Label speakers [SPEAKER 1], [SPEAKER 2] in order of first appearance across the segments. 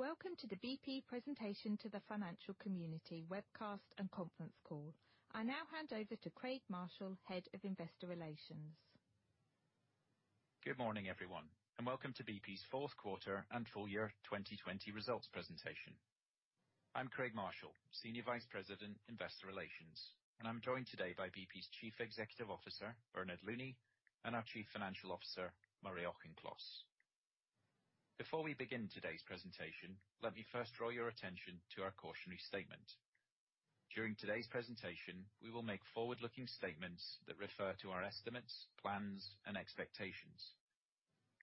[SPEAKER 1] Welcome to the BP presentation to the financial community webcast and conference call. I now hand over to Craig Marshall, Head of Investor Relations.
[SPEAKER 2] Good morning, everyone, and welcome to BP's Fourth Quarter and Full Year 2020 Results Presentation. I'm Craig Marshall, Senior Vice President, Investor Relations, and I'm joined today by BP's Chief Executive Officer, Bernard Looney, and our Chief Financial Officer, Murray Auchincloss. Before we begin today's presentation, let me first draw your attention to our cautionary statement. During today's presentation, we will make forward-looking statements that refer to our estimates, plans, and expectations.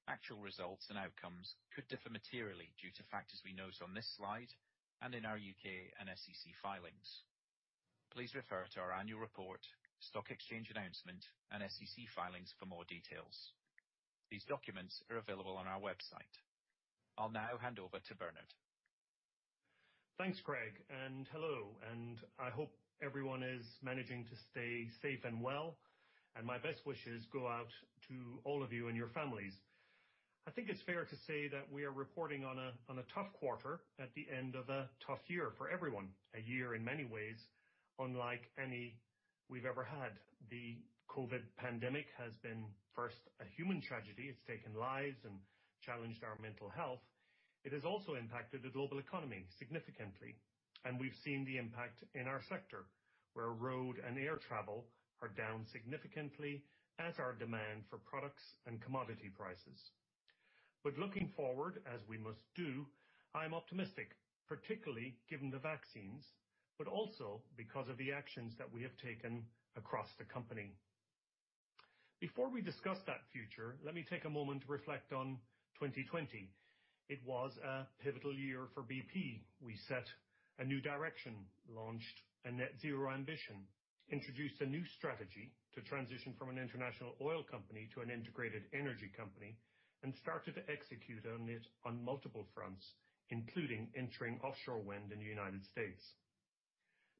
[SPEAKER 2] Actual results and outcomes could differ materially due to factors we note on this slide and in our U.K. and SEC filings. Please refer to our annual report, stock exchange announcement, and SEC filings for more details. These documents are available on our website. I'll now hand over to Bernard.
[SPEAKER 3] Thanks, Craig. Hello, and I hope everyone is managing to stay safe and well, and my best wishes go out to all of you and your families. I think it's fair to say that we are reporting on a tough quarter at the end of a tough year for everyone. A year in many ways unlike any we've ever had. The COVID pandemic has been first, a human tragedy. It's taken lives and challenged our mental health. It has also impacted the global economy significantly, and we've seen the impact in our sector, where road and air travel are down significantly, as are demand for products and commodity prices. Looking forward, as we must do, I'm optimistic, particularly given the vaccines, but also because of the actions that we have taken across the company. Before we discuss that future, let me take a moment to reflect on 2020. It was a pivotal year for BP. We set a new direction, launched a net zero ambition, introduced a new strategy to transition from an international oil company to an integrated energy company, and started to execute on it on multiple fronts, including entering offshore wind in the United States.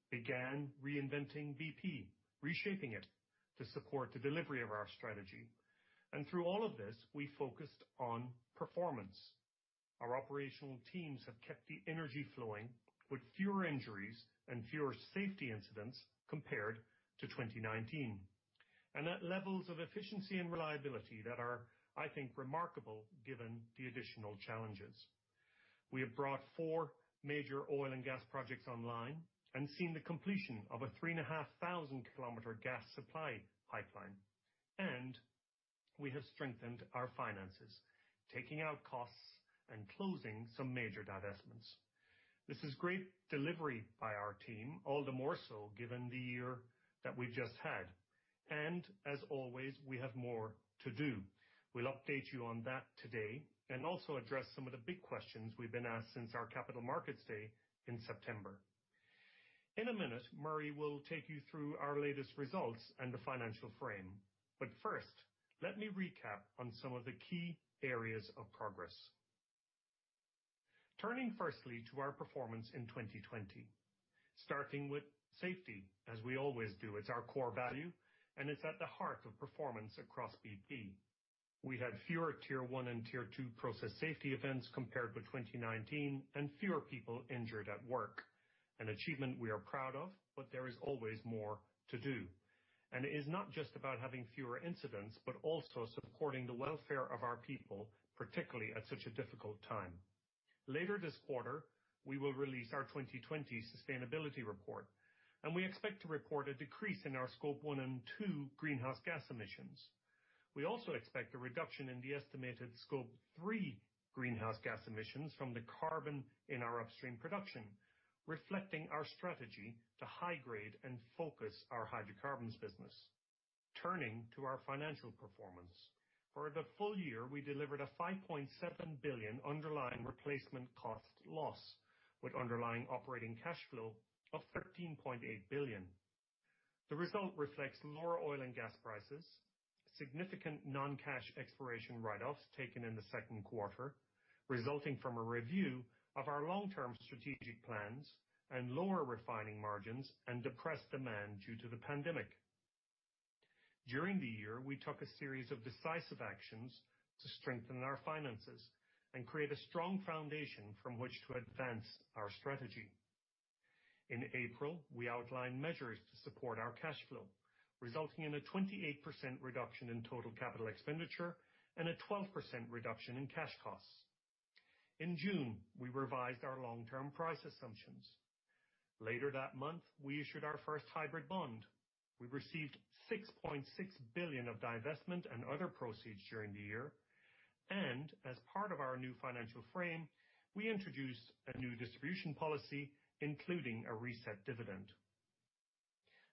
[SPEAKER 3] Began reinventing BP, reshaping it to support the delivery of our strategy. Through all of this, we focused on performance. Our operational teams have kept the energy flowing with fewer injuries and fewer safety incidents compared to 2019, and at levels of efficiency and reliability that are, I think, remarkable given the additional challenges. We have brought four major oil and gas projects online and seen the completion of a 350,000 km gas supply pipeline. We have strengthened our finances, taking out costs and closing some major divestments. This is great delivery by our team, all the more so given the year that we've just had. As always, we have more to do. We'll update you on that today and also address some of the big questions we've been asked since our capital markets day in September. In a minute, Murray will take you through our latest results and the financial frame. First, let me recap on some of the key areas of progress. Turning firstly to our performance in 2020. Starting with safety, as we always do. It's our core value, and it's at the heart of performance across BP. We had fewer Tier 1 and Tier 2 process safety events compared with 2019 and fewer people injured at work. An achievement we are proud of, but there is always more to do. It is not just about having fewer incidents, but also supporting the welfare of our people, particularly at such a difficult time. Later this quarter, we will release our 2020 sustainability report, and we expect to report a decrease in our Scope 1 and 2 greenhouse gas emissions. We also expect a reduction in the estimated Scope 3 greenhouse gas emissions from the carbon in our Upstream production, reflecting our strategy to high grade and focus our hydrocarbons business. Turning to our financial performance. For the full year, we delivered a $5.7 billion underlying replacement cost loss with underlying operating cash flow of $13.8 billion. The result reflects lower oil and gas prices, significant non-cash exploration write-offs taken in the second quarter, resulting from a review of our long-term strategic plans and lower refining margins and depressed demand due to the pandemic. During the year, we took a series of decisive actions to strengthen our finances and create a strong foundation from which to advance our strategy. In April, we outlined measures to support our cash flow, resulting in a 28% reduction in total capital expenditure and a 12% reduction in cash costs. In June, we revised our long-term price assumptions. Later that month, we issued our first hybrid bond. We received $6.6 billion of divestment and other proceeds during the year. As part of our new financial frame, we introduced a new distribution policy, including a reset dividend.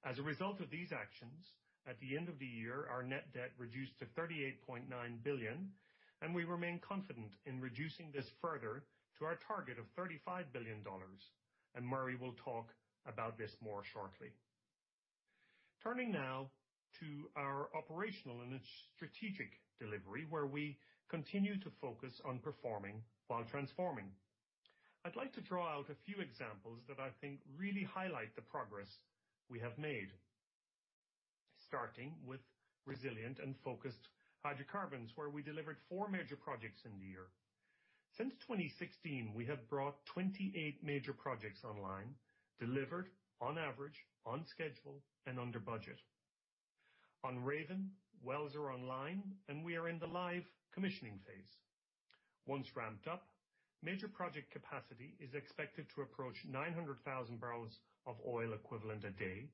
[SPEAKER 3] As a result of these actions, at the end of the year, our net debt reduced to $38.9 billion, and we remain confident in reducing this further to our target of $35 billion. Murray will talk about this more shortly. Turning now to our operational and its strategic delivery, where we continue to focus on performing while transforming. I'd like to draw out a few examples that I think really highlight the progress we have made. Starting with resilient and focused hydrocarbons, where we delivered four major projects in the year. Since 2016, we have brought 28 major projects online, delivered on average, on schedule, and under budget. On Raven, wells are online, and we are in the live commissioning phase. Once ramped up, major project capacity is expected to approach 900,000 barrels of oil equivalent a day,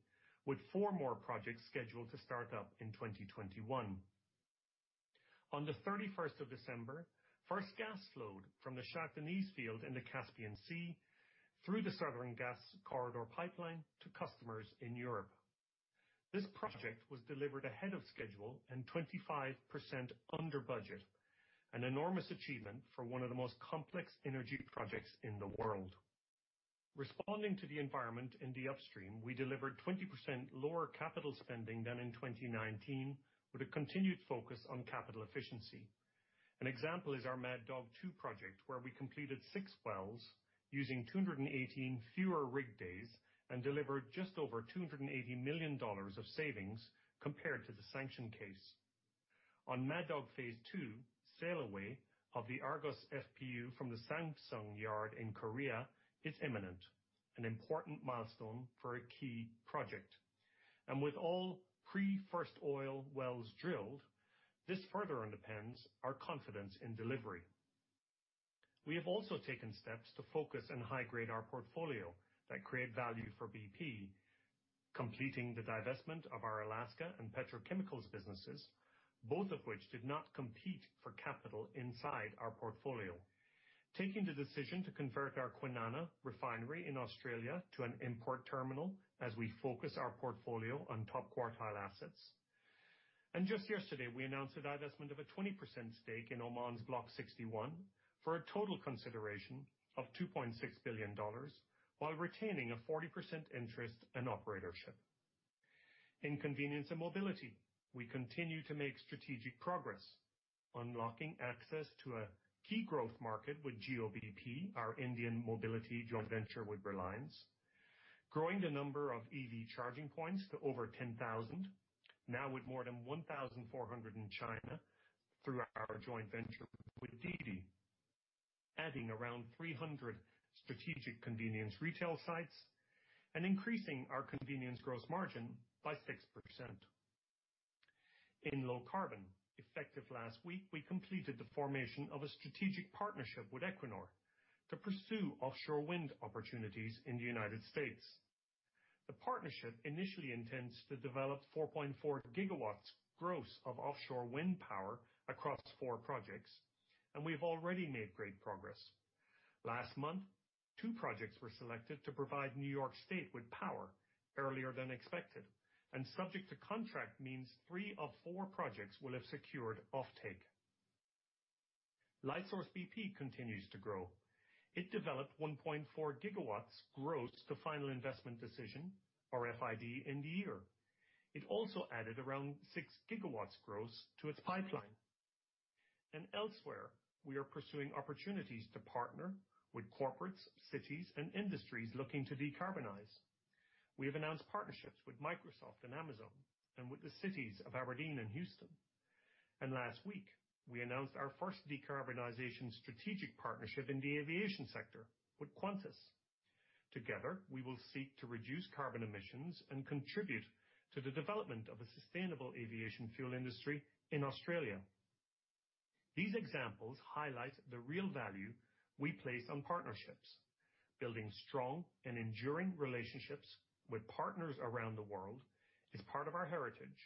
[SPEAKER 3] with four more projects scheduled to start up in 2021. On the 31st of December, first gas flowed from the Shah Deniz field in the Caspian Sea through the Southern Gas Corridor pipeline to customers in Europe. This project was delivered ahead of schedule and 25% under budget, an enormous achievement for one of the most complex energy projects in the world. Responding to the environment in the Upstream, we delivered 20% lower capital spending than in 2019, with a continued focus on capital efficiency. An example is our Mad Dog 2 project, where we completed six wells using 218 fewer rig days and delivered just over $280 million of savings compared to the sanction case. On Mad Dog Phase 2, sail away of the Argos FPU from the Samsung yard in Korea is imminent, an important milestone for a key project. With all pre-first oil wells drilled, this further underpins our confidence in delivery. We have also taken steps to focus and high-grade our portfolio that create value for BP, completing the divestment of our Alaska and petrochemicals businesses, both of which did not compete for capital inside our portfolio. Taking the decision to convert our Kwinana refinery in Australia to an import terminal as we focus our portfolio on top quartile assets. Just yesterday, we announced the divestment of a 20% stake in Oman's Block 61 for a total consideration of $2.6 billion, while retaining a 40% interest and operatorship. In Convenience & Mobility, we continue to make strategic progress, unlocking access to a key growth market with Jio-bp, our Indian mobility joint venture with Reliance. Growing the number of EV charging points to over 10,000, now with more than 1,400 in China through our joint venture with DiDi, adding around 300 strategic convenience retail sites, and increasing our convenience gross margin by 6%. In low carbon, effective last week, we completed the formation of a strategic partnership with Equinor to pursue offshore wind opportunities in the U.S. The partnership initially intends to develop 4.4 GW gross of offshore wind power across four projects. We've already made great progress. Last month, two projects were selected to provide New York State with power earlier than expected. Subject to contract means three of four projects will have secured offtake. Lightsource bp continues to grow. It developed 1.4 GW gross to final investment decision, or FID, in the year. It also added around 6 GW gross to its pipeline. Elsewhere, we are pursuing opportunities to partner with corporates, cities, and industries looking to decarbonize. We have announced partnerships with Microsoft and Amazon and with the cities of Aberdeen and Houston. Last week, we announced our first decarbonization strategic partnership in the aviation sector with Qantas. Together, we will seek to reduce carbon emissions and contribute to the development of a sustainable aviation fuel industry in Australia. These examples highlight the real value we place on partnerships. Building strong and enduring relationships with partners around the world is part of our heritage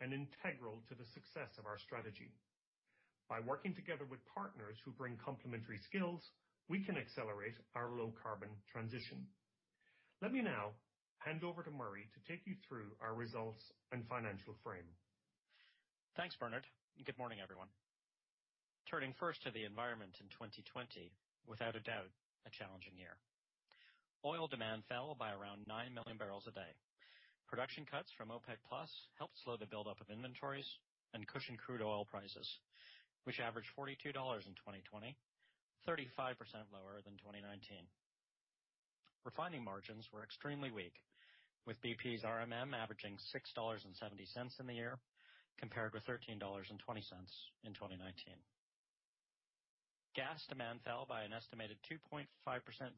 [SPEAKER 3] and integral to the success of our strategy. By working together with partners who bring complementary skills, we can accelerate our low-carbon transition. Let me now hand over to Murray to take you through our results and financial frame.
[SPEAKER 4] Thanks, Bernard. Good morning, everyone. Turning first to the environment in 2020, without a doubt, a challenging year. Oil demand fell by around 9 million barrels a day. Production cuts from OPEC+ helped slow the buildup of inventories and cushion crude oil prices, which averaged $42 in 2020, 35% lower than 2019. Refining margins were extremely weak, with BP's RMM averaging $6.70 in the year, compared with $13.20 in 2019. Gas demand fell by an estimated 2.5%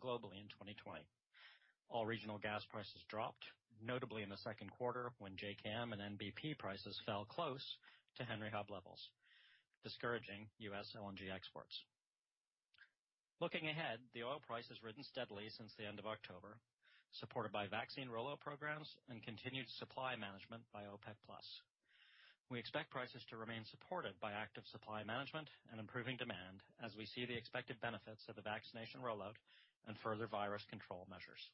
[SPEAKER 4] globally in 2020. All regional gas prices dropped, notably in the second quarter when JKM and NBP prices fell close to Henry Hub levels, discouraging U.S. LNG exports. Looking ahead, the oil price has risen steadily since the end of October, supported by vaccine rollout programs and continued supply management by OPEC+. We expect prices to remain supported by active supply management and improving demand as we see the expected benefits of the vaccination rollout and further virus control measures.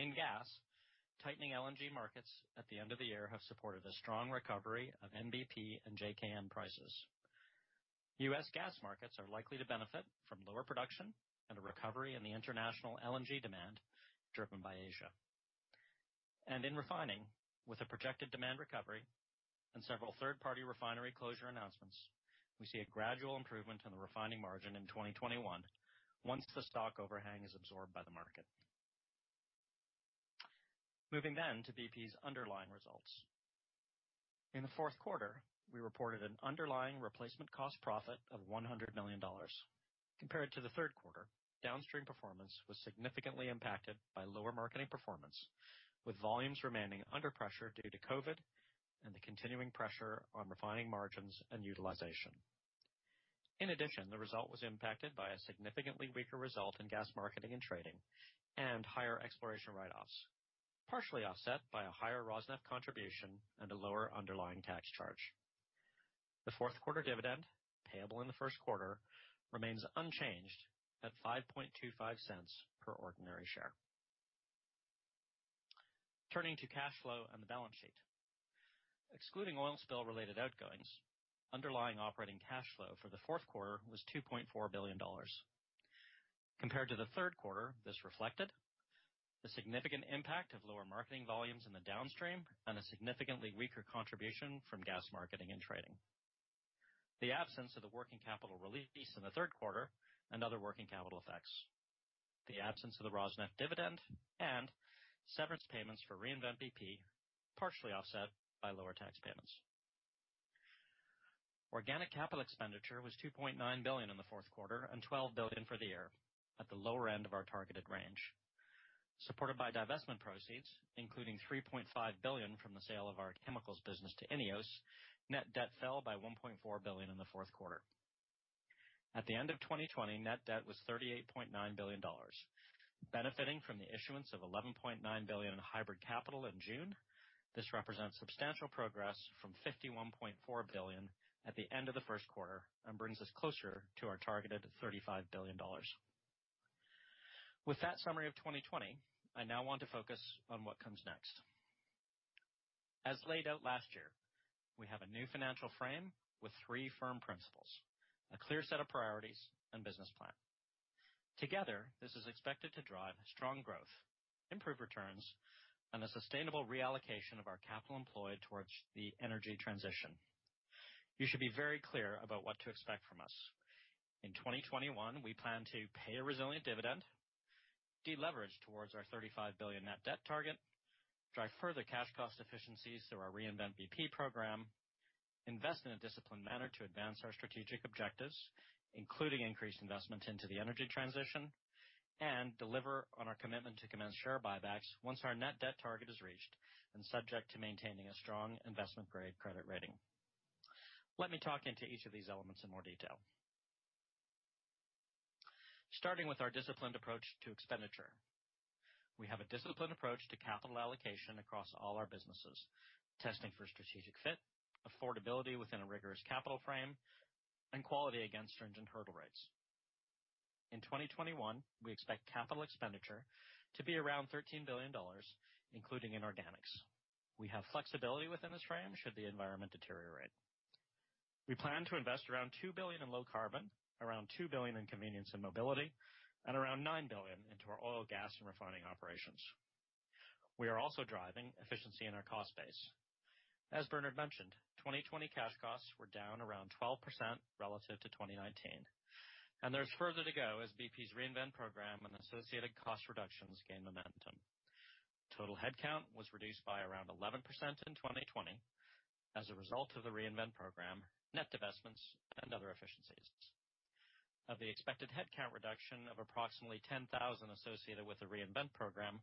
[SPEAKER 4] In gas, tightening LNG markets at the end of the year have supported a strong recovery of NBP and JKM prices. U.S. gas markets are likely to benefit from lower production and a recovery in the international LNG demand driven by Asia. In refining, with a projected demand recovery and several third-party refinery closure announcements. We see a gradual improvement in the refining margin in 2021, once the stock overhang is absorbed by the market. Moving to BP's underlying results. In the fourth quarter, we reported an underlying replacement cost profit of $100 million. Compared to the third quarter, Downstream performance was significantly impacted by lower marketing performance, with volumes remaining under pressure due to COVID and the continuing pressure on refining margins and utilization. In addition, the result was impacted by a significantly weaker result in gas marketing and trading, and higher exploration write-offs, partially offset by a higher Rosneft contribution and a lower underlying tax charge. The fourth quarter dividend, payable in the first quarter, remains unchanged at $0.0525 per ordinary share. Turning to cash flow and the balance sheet. Excluding oil spill related outgoings, underlying operating cash flow for the fourth quarter was $2.4 billion. Compared to the third quarter, this reflected the significant impact of lower marketing volumes in the Downstream and a significantly weaker contribution from gas marketing and trading, the absence of the working capital release in the third quarter and other working capital effects. The absence of the Rosneft dividend and severance payments for Reinvent bp partially offset by lower tax payments. Organic capital expenditure was $2.9 billion in the fourth quarter and $12 billion for the year, at the lower end of our targeted range. Supported by divestment proceeds, including $3.5 billion from the sale of our chemicals business to INEOS, net debt fell by $1.4 billion in the fourth quarter. At the end of 2020, net debt was $38.9 billion. Benefiting from the issuance of $11.9 billion in hybrid capital in June, this represents substantial progress from $51.4 billion at the end of the first quarter and brings us closer to our targeted $35 billion. With that summary of 2020, I now want to focus on what comes next. As laid out last year, we have a new financial frame with three firm principles, a clear set of priorities, and business plan. Together, this is expected to drive strong growth, improve returns, and a sustainable reallocation of our capital employed towards the energy transition. You should be very clear about what to expect from us. In 2021, we plan to pay a resilient dividend, deleverage towards our $35 billion net debt target, drive further cash cost efficiencies through our Reinvent bp program, invest in a disciplined manner to advance our strategic objectives, including increased investment into the energy transition, and deliver on our commitment to commence share buybacks once our net debt target is reached, and subject to maintaining a strong investment-grade credit rating. Let me talk into each of these elements in more detail. Starting with our disciplined approach to expenditure. We have a disciplined approach to capital allocation across all our businesses, testing for strategic fit, affordability within a rigorous capital frame, and quality against stringent hurdle rates. In 2021, we expect capital expenditure to be around $13 billion, including inorganics. We have flexibility within this frame should the environment deteriorate. We plan to invest around $2 billion in low carbon, around $2 billion in Convenience & Mobility, and around $9 billion into our oil, gas, and refining operations. We are also driving efficiency in our cost base. As Bernard mentioned, 2020 cash costs were down around 12% relative to 2019. There's further to go as BP's Reinvent program and associated cost reductions gain momentum. Total headcount was reduced by around 11% in 2020 as a result of the Reinvent program, net divestments, and other efficiencies. Of the expected headcount reduction of approximately 10,000 associated with the Reinvent program,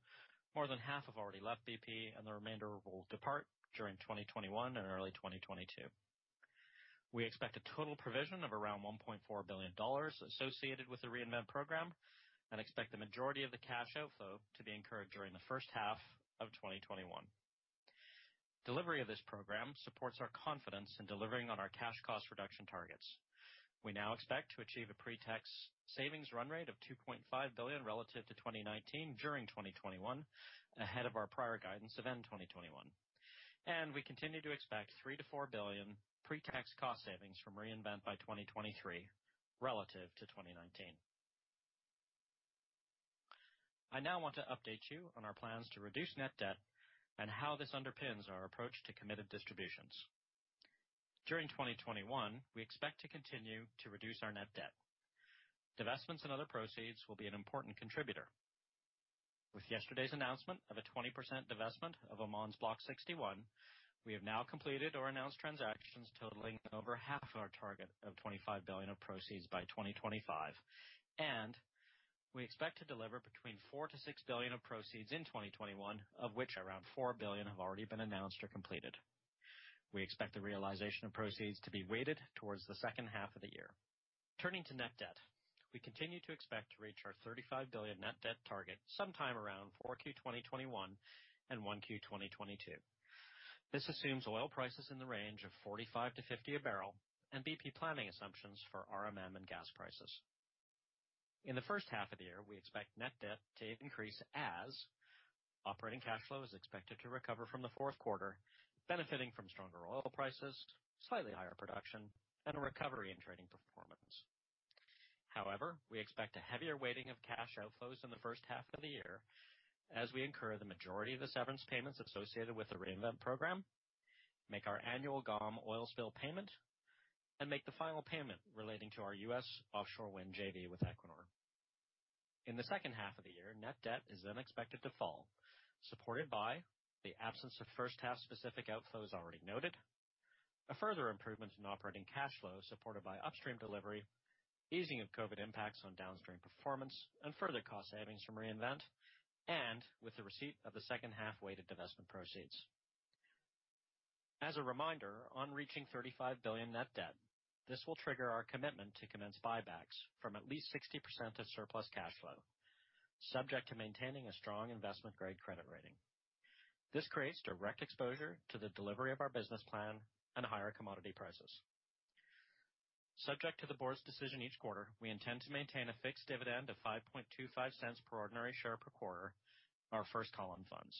[SPEAKER 4] more than half have already left BP and the remainder will depart during 2021 and early 2022. We expect a total provision of around $1.4 billion associated with the Reinvent program and expect the majority of the cash outflow to be incurred during the first half of 2021. Delivery of this program supports our confidence in delivering on our cash cost reduction targets. We now expect to achieve a pre-tax savings run rate of $2.5 billion relative to 2019 during 2021, ahead of our prior guidance of end 2021. We continue to expect $3 billion-$4 billion pre-tax cost savings from Reinvent by 2023, relative to 2019. I now want to update you on our plans to reduce net debt and how this underpins our approach to committed distributions. During 2021, we expect to continue to reduce our net debt. Divestments and other proceeds will be an important contributor. With yesterday's announcement of a 20% divestment of Oman's Block 61, we have now completed or announced transactions totaling over half of our target of $25 billion of proceeds by 2025. We expect to deliver between $4 billion-$6 billion of proceeds in 2021, of which around $4 billion have already been announced or completed. We expect the realization of proceeds to be weighted towards the second half of the year. Turning to net debt. We continue to expect to reach our $35 billion net debt target sometime around 4Q 2021 and 1Q 2022. This assumes oil prices in the range of $45-$50 a barrel and BP planning assumptions for RMM and gas prices. In the first half of the year, we expect net debt to increase as operating cash flow is expected to recover from the fourth quarter, benefiting from stronger oil prices, slightly higher production, and a recovery in trading performance. We expect a heavier weighting of cash outflows in the first half of the year as we incur the majority of the severance payments associated with the Reinvent program, make our annual GOM oil spill payment, and make the final payment relating to our U.S. offshore wind JV with Equinor. In the second half of the year, net debt is then expected to fall, supported by the absence of first-half specific outflows already noted, a further improvement in operating cash flow supported by Upstream delivery, easing of COVID impacts on Downstream performance, and further cost savings from Reinvent, and with the receipt of the second half-weighted divestment proceeds. As a reminder, on reaching $35 billion net debt, this will trigger our commitment to commence buybacks from at least 60% of surplus cash flow, subject to maintaining a strong investment-grade credit rating. This creates direct exposure to the delivery of our business plan and higher commodity prices. Subject to the Board's decision each quarter, we intend to maintain a fixed dividend of $0.0525 per ordinary share per quarter, our first call on funds.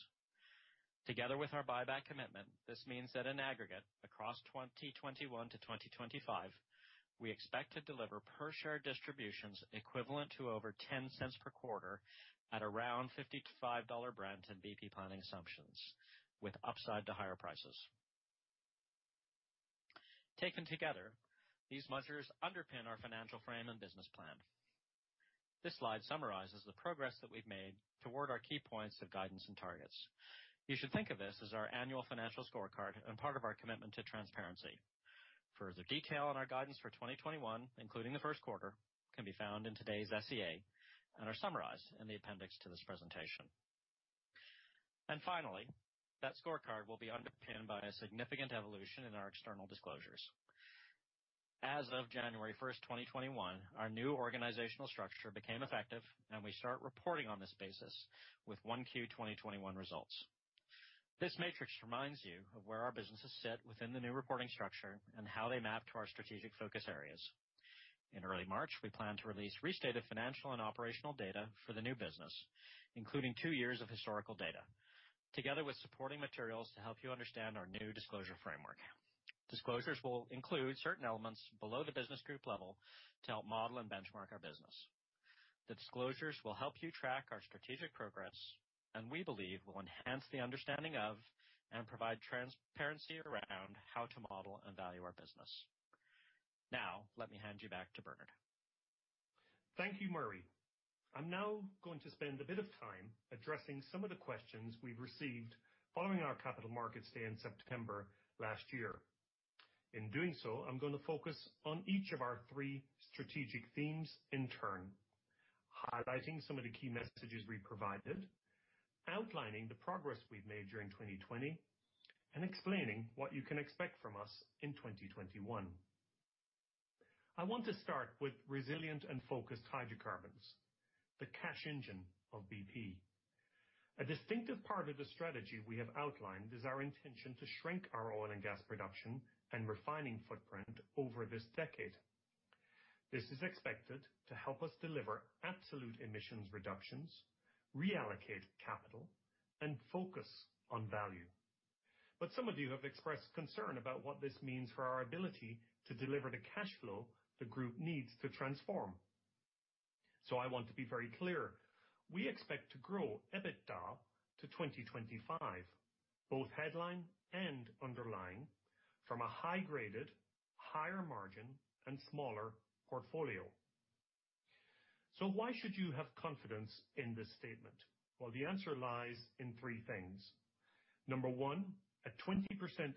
[SPEAKER 4] Together with our buyback commitment, this means that in aggregate, across 2021-2025, we expect to deliver per-share distributions equivalent to over $0.10 per quarter at around $55 Brent and BP planning assumptions, with upside to higher prices. Taken together, these measures underpin our financial frame and business plan. This slide summarizes the progress that we've made toward our key points of guidance and targets. You should think of this as our annual financial scorecard and part of our commitment to transparency. Further detail on our guidance for 2021, including the first quarter, can be found in today's SEA and are summarized in the appendix to this presentation. Finally, that scorecard will be underpinned by a significant evolution in our external disclosures. As of January 1st, 2021, our new organizational structure became effective, and we start reporting on this basis with 1Q 2021 results. This matrix reminds you of where our businesses sit within the new reporting structure and how they map to our strategic focus areas. In early March, we plan to release restated financial and operational data for the new business, including two years of historical data, together with supporting materials to help you understand our new disclosure framework. Disclosures will include certain elements below the business group level to help model and benchmark our business. The disclosures will help you track our strategic progress and we believe will enhance the understanding of and provide transparency around how to model and value our business. Now, let me hand you back to Bernard.
[SPEAKER 3] Thank you, Murray. I'm now going to spend a bit of time addressing some of the questions we've received following our capital markets day in September last year. In doing so, I'm going to focus on each of our three strategic themes in turn, highlighting some of the key messages we provided, outlining the progress we've made during 2020, and explaining what you can expect from us in 2021. I want to start with resilient and focused hydrocarbons, the cash engine of BP. A distinctive part of the strategy we have outlined is our intention to shrink our oil and gas production and refining footprint over this decade. This is expected to help us deliver absolute emissions reductions, reallocate capital, and focus on value. Some of you have expressed concern about what this means for our ability to deliver the cash flow the group needs to transform. I want to be very clear. We expect to grow EBITDA to 2025, both headline and underlying, from a high-graded, higher margin, and smaller portfolio. Why should you have confidence in this statement? The answer lies in three things. Number one, a 20%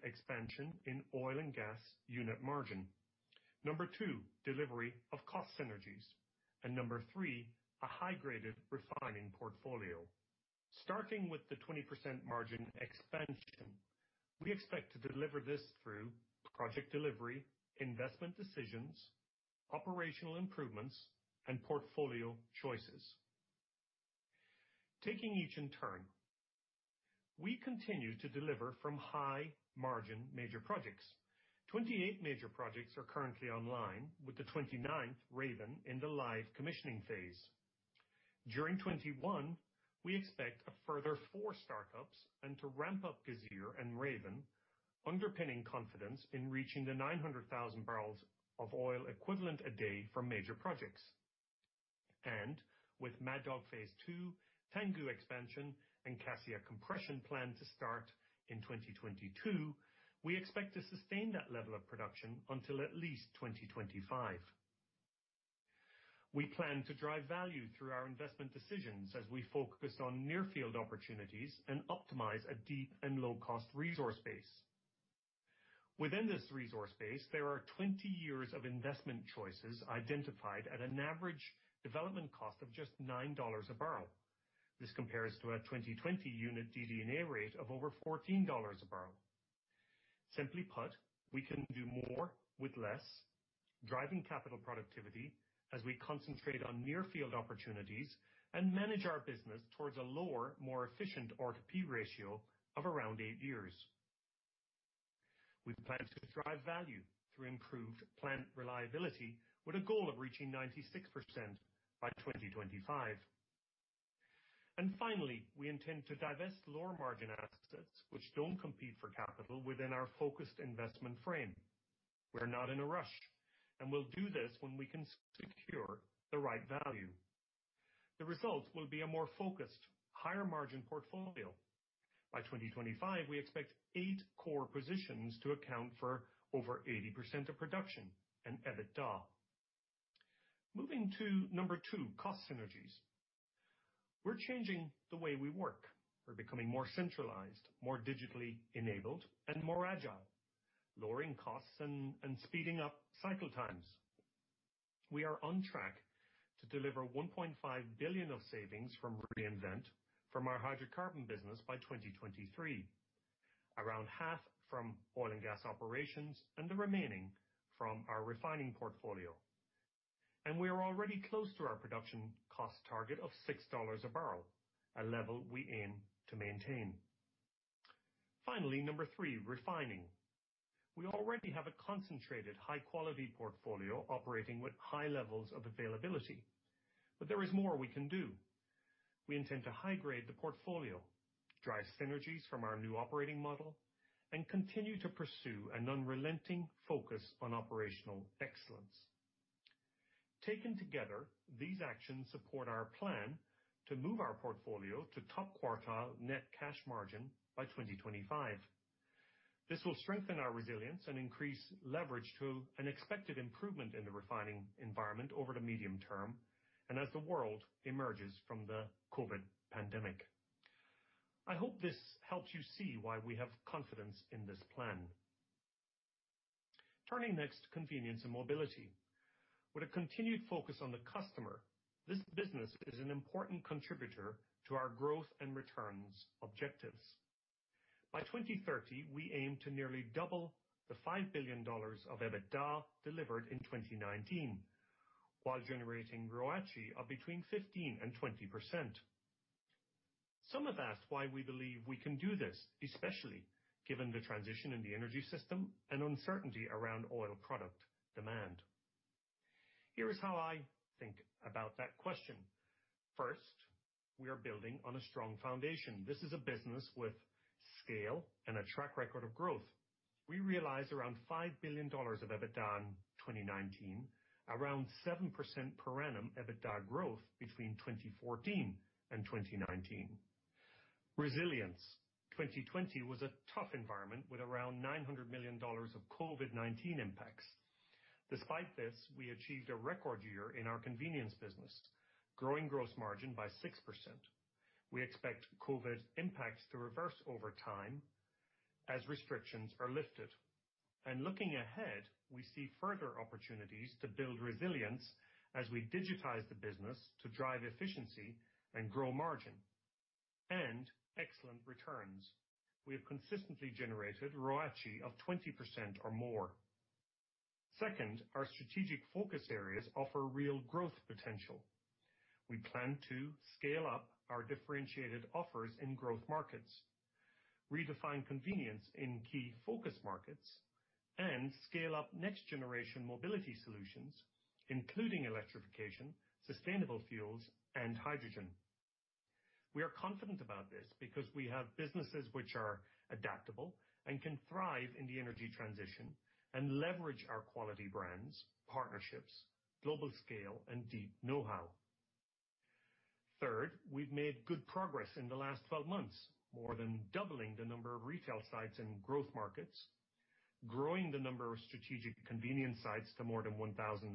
[SPEAKER 3] expansion in oil and gas unit margin. Number two, delivery of cost synergies. Number three, a high-graded refining portfolio. Starting with the 20% margin expansion, we expect to deliver this through project delivery, investment decisions, operational improvements, and portfolio choices. Taking each in turn, we continue to deliver from high-margin major projects. 28 major projects are currently online, with the 29th, Raven, in the live commissioning phase. During 2021, we expect a further four startups and to ramp up Ghazeer and Raven, underpinning confidence in reaching the 900,000 barrels of oil equivalent a day from major projects. With Mad Dog Phase 2, Tangguh expansion, and Cassia compression plan to start in 2022, we expect to sustain that level of production until at least 2025. We plan to drive value through our investment decisions as we focus on near-field opportunities and optimize a deep and low-cost resource base. Within this resource base, there are 20 years of investment choices identified at an average development cost of just $9 a barrel. This compares to a 2020 unit DD&A rate of over $14 a barrel. Simply put, we can do more with less, driving capital productivity as we concentrate on near-field opportunities and manage our business towards a lower, more efficient R2P ratio of around eight years. We plan to drive value through improved plant reliability with a goal of reaching 96% by 2025. Finally, we intend to divest lower margin assets which don't compete for capital within our focused investment frame. We're not in a rush, and we'll do this when we can secure the right value. The result will be a more focused, higher margin portfolio. By 2025, we expect eight core positions to account for over 80% of production and EBITDA. Moving to number two, cost synergies. We're changing the way we work. We're becoming more centralized, more digitally enabled, and more agile, lowering costs and speeding up cycle times. We are on track to deliver $1.5 billion of savings from Reinvent from our hydrocarbon business by 2023. Around half from oil and gas operations, and the remaining from our refining portfolio. We are already close to our production cost target of $6 a barrel, a level we aim to maintain. Finally, number three, refining. We already have a concentrated, high-quality portfolio operating with high levels of availability. There is more we can do. We intend to high-grade the portfolio, drive synergies from our new operating model, and continue to pursue an unrelenting focus on operational excellence. Taken together, these actions support our plan to move our portfolio to top quartile net cash margin by 2025. This will strengthen our resilience and increase leverage to an expected improvement in the refining environment over the medium term and as the world emerges from the COVID pandemic. I hope this helps you see why we have confidence in this plan. Turning next to Convenience & Mobility. With a continued focus on the customer, this business is an important contributor to our growth and returns objectives. By 2030, we aim to nearly double the $5 billion of EBITDA delivered in 2019, while generating ROACE of between 15% and 20%. Some have asked why we believe we can do this, especially given the transition in the energy system and uncertainty around oil product demand. Here is how I think about that question. First, we are building on a strong foundation. This is a business with scale and a track record of growth. We realized around $5 billion of EBITDA in 2019, around 7% per annum EBITDA growth between 2014 and 2019. Resilience, 2020 was a tough environment with around $900 million of COVID-19 impacts. Despite this, we achieved a record year in our convenience business, growing gross margin by 6%. We expect COVID impacts to reverse over time as restrictions are lifted. Looking ahead, we see further opportunities to build resilience as we digitize the business to drive efficiency and grow margin, and excellent returns. We have consistently generated ROACE of 20% or more. Second, our strategic focus areas offer real growth potential. We plan to scale up our differentiated offers in growth markets, redefine convenience in key focus markets, and scale up next generation mobility solutions, including electrification, sustainable fuels, and hydrogen. We are confident about this because we have businesses which are adaptable and can thrive in the energy transition and leverage our quality brands, partnerships, global scale, and deep knowhow. Third, we've made good progress in the last 12 months, more than doubling the number of retail sites in growth markets, growing the number of strategic convenience sites to more than 1,900,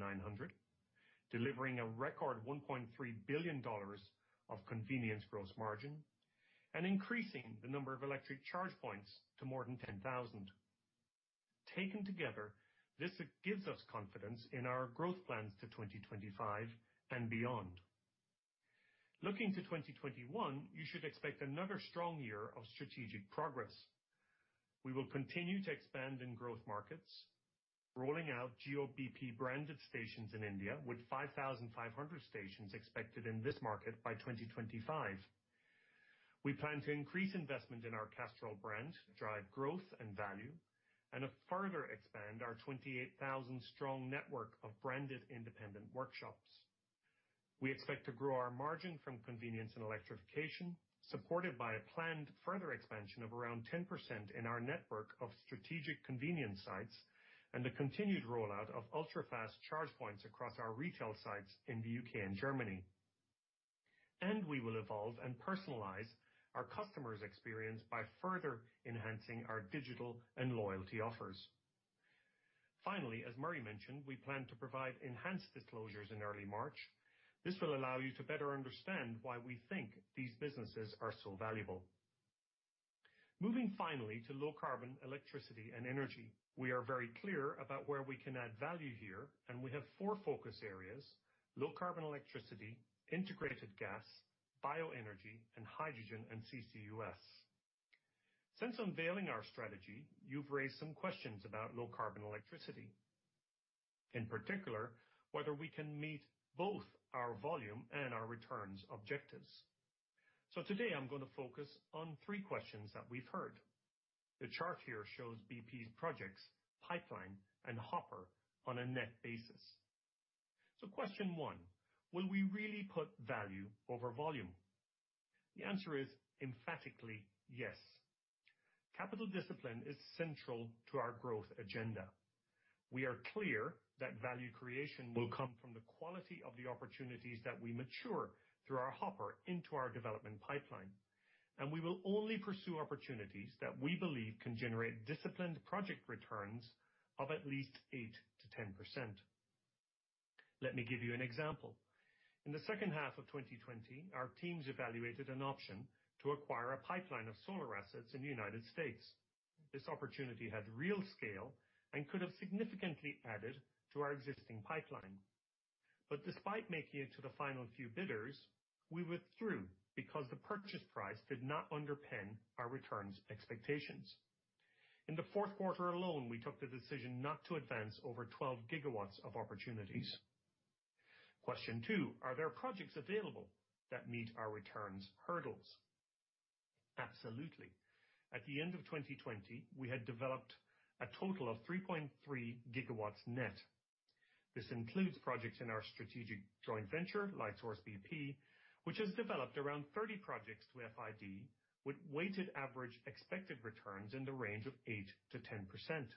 [SPEAKER 3] delivering a record $1.3 billion of convenience gross margin, and increasing the number of electric charge points to more than 10,000. Taken together, this gives us confidence in our growth plans to 2025 and beyond. Looking to 2021, you should expect another strong year of strategic progress. We will continue to expand in growth markets, rolling out Jio-bp branded stations in India, with 5,500 stations expected in this market by 2025. We plan to increase investment in our Castrol brand, drive growth and value, and further expand our 28,000 strong network of branded independent workshops. We expect to grow our margin from convenience and electrification, supported by a planned further expansion of around 10% in our network of strategic convenience sites and the continued rollout of ultra-fast charge points across our retail sites in the U.K. and Germany. We will evolve and personalize our customer's experience by further enhancing our digital and loyalty offers. Finally, as Murray mentioned, we plan to provide enhanced disclosures in early March. This will allow you to better understand why we think these businesses are so valuable. Moving finally to low carbon electricity and energy. We are very clear about where we can add value here, and we have four focus areas, low carbon electricity, integrated gas, bioenergy, and hydrogen and CCUS. Since unveiling our strategy, you've raised some questions about low carbon electricity. In particular, whether we can meet both our volume and our returns objectives. Today I'm going to focus on three questions that we've heard. The chart here shows BP's projects, pipeline, and hopper on a net basis. Question one, will we really put value over volume? The answer is emphatically yes. Capital discipline is central to our growth agenda. We are clear that value creation will come from the quality of the opportunities that we mature through our hopper into our development pipeline, and we will only pursue opportunities that we believe can generate disciplined project returns of at least 8%-10%. Let me give you an example. In the second half of 2020, our teams evaluated an option to acquire a pipeline of solar assets in the U.S. This opportunity had real scale and could have significantly added to our existing pipeline. Despite making it to the final few bidders, we withdrew because the purchase price did not underpin our returns expectations. In the fourth quarter alone, we took the decision not to advance over 12 GW of opportunities. Question two, are there projects available that meet our returns hurdles? Absolutely. At the end of 2020, we had developed a total of 3.3 GW net. This includes projects in our strategic joint venture, Lightsource bp, which has developed around 30 projects to FID, with weighted average expected returns in the range of 8%-10%.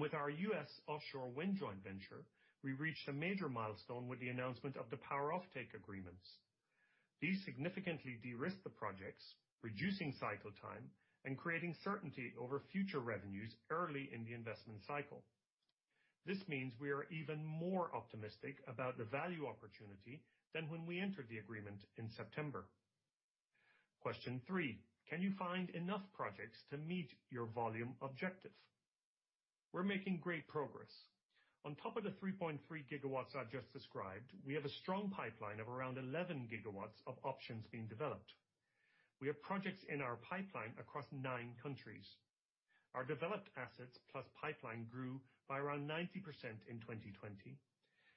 [SPEAKER 3] With our U.S. offshore wind joint venture, we reached a major milestone with the announcement of the power offtake agreements. These significantly de-risk the projects, reducing cycle time and creating certainty over future revenues early in the investment cycle. This means we are even more optimistic about the value opportunity than when we entered the agreement in September. Question three, can you find enough projects to meet your volume objective? We're making great progress. On top of the 3.3 GW I've just described, we have a strong pipeline of around 11 GW of options being developed. We have projects in our pipeline across nine countries. Our developed assets plus pipeline grew by around 90% in 2020,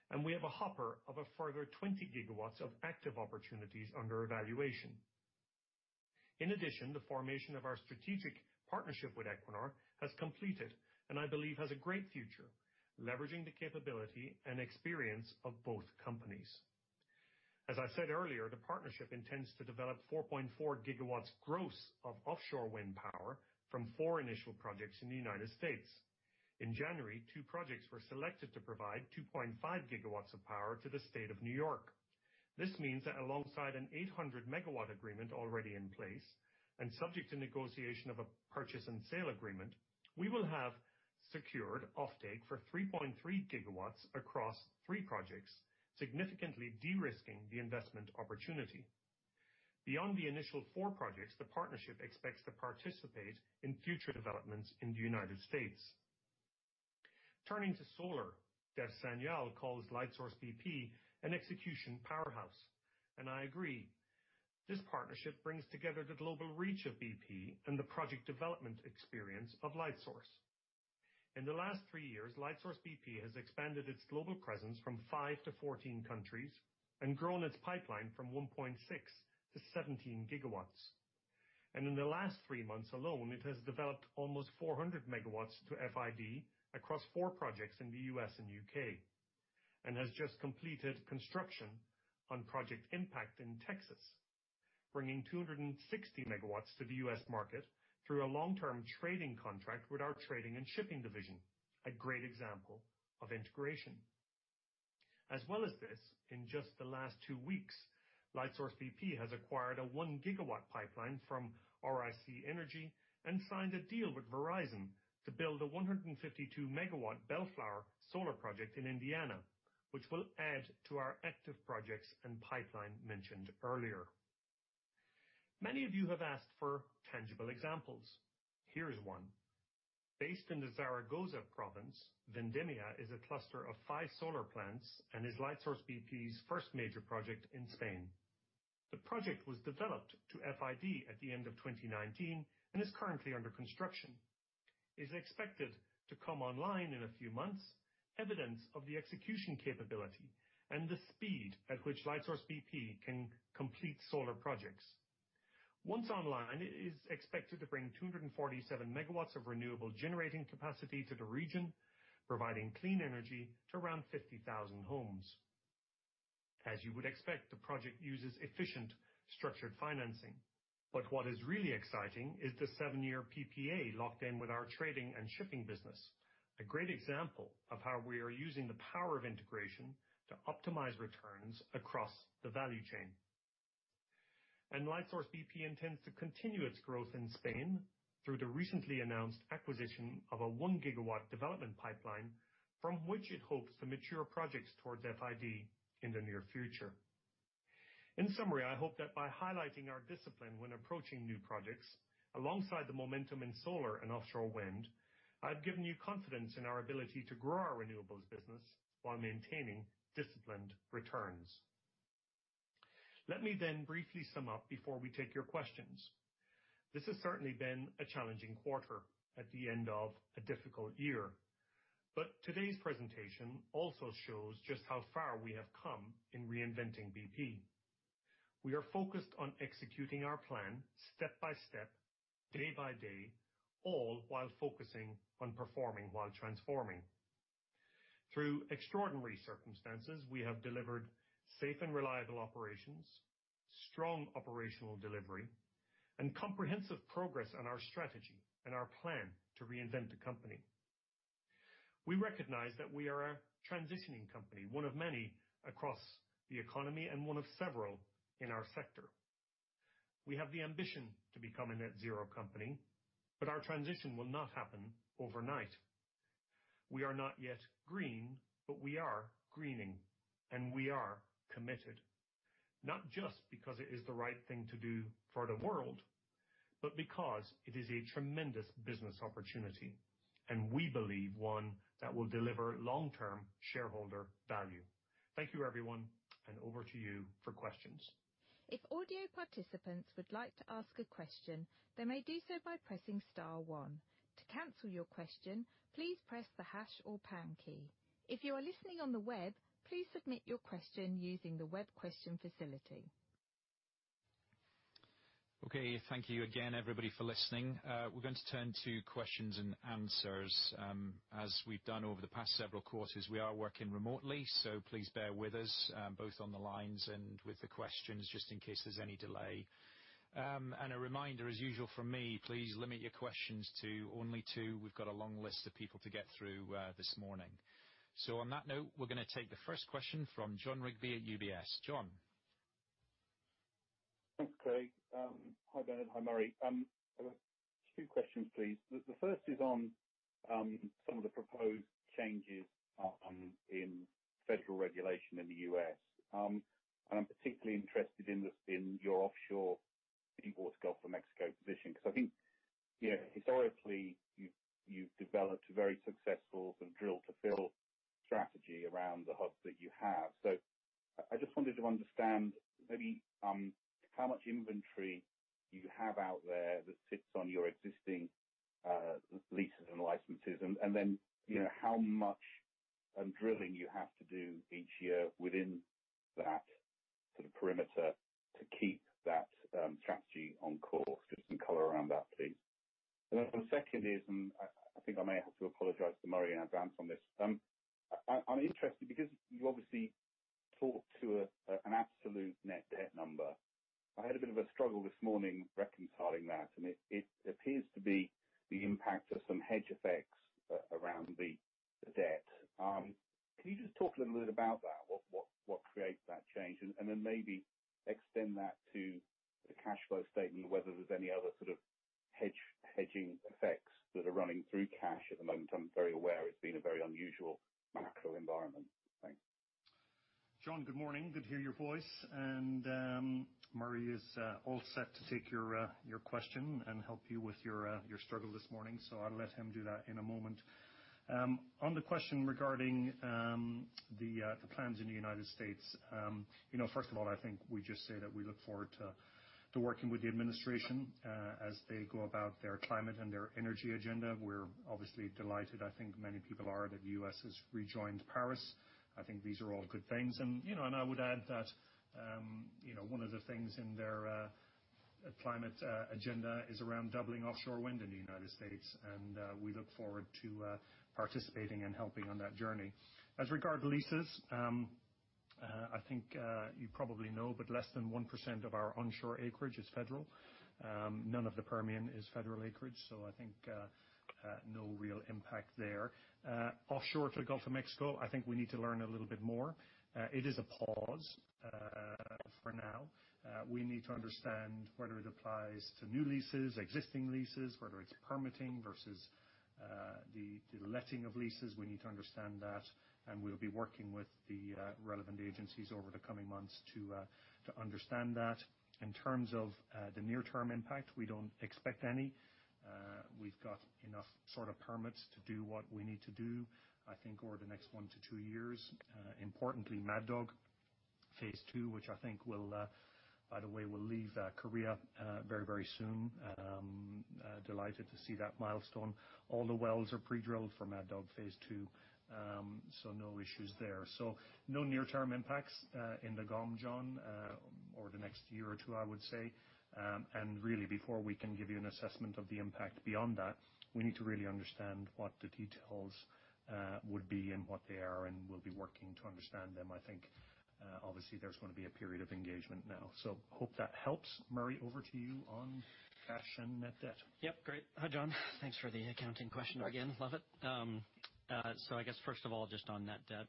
[SPEAKER 3] and we have a hopper of a further 20 GW of active opportunities under evaluation. In addition, the formation of our strategic partnership with Equinor has completed, and I believe has a great future, leveraging the capability and experience of both companies. As I said earlier, the partnership intends to develop 4.4 GW gross of offshore wind power from four initial projects in the United States. In January, two projects were selected to provide 2.5 GW of power to the state of New York. This means that alongside an 800 MW agreement already in place, and subject to negotiation of a purchase and sale agreement, we will have secured offtake for 3.3 GW across three projects, significantly de-risking the investment opportunity. Beyond the initial four projects, the partnership expects to participate in future developments in the United States. Turning to solar, Dev Sanyal calls Lightsource bp an execution powerhouse, and I agree. This partnership brings together the global reach of BP and the project development experience of Lightsource. In the last three years, Lightsource bp has expanded its global presence from five to 14 countries and grown its pipeline from 1.6 GW to 17 GW. In the last three months alone, it has developed almost 400 MW to FID across four projects in the U.S. and U.K., and has just completed construction on Project Impact in Texas, bringing 260 MW to the U.S. market through a long-term trading contract with our trading and shipping division. A great example of integration. As well as this, in just the last two weeks, Lightsource bp has acquired a 1 GW pipeline from RIC Energy and signed a deal with Verizon to build a 152 MW Bellflower solar project in Indiana, which will add to our active projects and pipeline mentioned earlier. Many of you have asked for tangible examples. Here is one. Based in the Zaragoza province, Vendimia is a cluster of five solar plants and is Lightsource bp's first major project in Spain. The project was developed to FID at the end of 2019 and is currently under construction. It's expected to come online in a few months, evidence of the execution capability and the speed at which Lightsource bp can complete solar projects. Once online, it is expected to bring 247 MW of renewable generating capacity to the region, providing clean energy to around 50,000 homes. As you would expect, the project uses efficient structured financing. What is really exciting is the seven-year PPA locked in with our trading and shipping business. A great example of how we are using the power of integration to optimize returns across the value chain. Lightsource bp intends to continue its growth in Spain through the recently announced acquisition of a 1 GW development pipeline from which it hopes to mature projects towards FID in the near future. In summary, I hope that by highlighting our discipline when approaching new projects alongside the momentum in solar and offshore wind, I've given you confidence in our ability to grow our renewables business while maintaining disciplined returns. Let me briefly sum up before we take your questions. This has certainly been a challenging quarter at the end of a difficult year. Today's presentation also shows just how far we have come in reinventing BP. We are focused on executing our plan step by step, day by day, all while focusing on performing while transforming. Through extraordinary circumstances, we have delivered safe and reliable operations, strong operational delivery, and comprehensive progress on our strategy and our plan to reinvent the company. We recognize that we are a transitioning company, one of many across the economy and one of several in our sector. We have the ambition to become a net zero company, but our transition will not happen overnight. We are not yet green, but we are greening, and we are committed. Not just because it is the right thing to do for the world, but because it is a tremendous business opportunity, and we believe one that will deliver long-term shareholder value. Thank you, everyone, and over to you for questions.
[SPEAKER 1] If audio participants would like to ask a question, they may do so by pressing star one. To cancel your question, please press the hash or pound key. If you are listening on the web, please submit your question using the web question facility.
[SPEAKER 2] Thank you again, everybody, for listening. We're going to turn to questions and answers. As we've done over the past several quarters, we are working remotely. Please bear with us, both on the lines and with the questions, just in case there's any delay. A reminder, as usual from me, please limit your questions to only two. We've got a long list of people to get through this morning. On that note, we're going to take the first question from Jon Rigby at UBS. Jon.
[SPEAKER 5] Thanks, Craig. Hi, Bernard. Hi, Murray. Two questions, please. The first is on some of the proposed changes in federal regulation in the U.S. I'm particularly interested in your offshore deepwater Gulf of Mexico position, because I think historically, you've developed a very successful drill to fill strategy around the hub that you have. I just wanted to understand maybe how much inventory you have out there that sits on your existing leases and licenses and then, how much drilling you have to do each year within that sort of perimeter to keep that strategy on course. Just some color around that, please. The second is, and I think I may have to apologize to Murray in advance on this. I'm interested because you obviously talked to an absolute net debt number. I had a bit of a struggle this morning reconciling that. It appears to be the impact of some hedge effects around the debt. Can you just talk a little bit about that? What creates that change? Then maybe extend that to the cash flow statement, whether there's any other sort of hedging effects that are running through cash at the moment. I'm very aware it's been a very unusual macro environment. Thanks.
[SPEAKER 3] Jon, good morning. Good to hear your voice. Murray is all set to take your question and help you with your struggle this morning. I'll let him do that in a moment. On the question regarding the plans in the U.S., first of all, I think we just say that we look forward to working with the administration as they go about their climate and their energy agenda. We're obviously delighted, I think many people are, that the U.S. has rejoined Paris. I think these are all good things. I would add that one of the things in their climate agenda is around doubling offshore wind in the U.S. We look forward to participating and helping on that journey. As regard to leases, I think you probably know, but less than 1% of our onshore acreage is federal. None of the Permian is federal acreage, so I think no real impact there. Offshore to the Gulf of Mexico, I think we need to learn a little bit more. It is a pause for now. We need to understand whether it applies to new leases, existing leases, whether it's permitting versus the letting of leases. We need to understand that, and we'll be working with the relevant agencies over the coming months to understand that. In terms of the near-term impact, we don't expect any. We've got enough sort of permits to do what we need to do, I think over the next one to two years. Importantly, Mad Dog Phase 2, which I think will, by the way, will leave Korea very soon. Delighted to see that milestone. All the wells are pre-drilled for Mad Dog Phase 2, so no issues there. No near-term impacts in the GOM, Jon, over the next year or two, I would say. Really before we can give you an assessment of the impact beyond that, we need to really understand what the details would be and what they are, and we'll be working to understand them. I think obviously there's going to be a period of engagement now. Hope that helps. Murray, over to you on cash and net debt.
[SPEAKER 4] Yep, great. Hi, Jon. Thanks for the accounting question again. Love it. I guess first of all, just on net debt,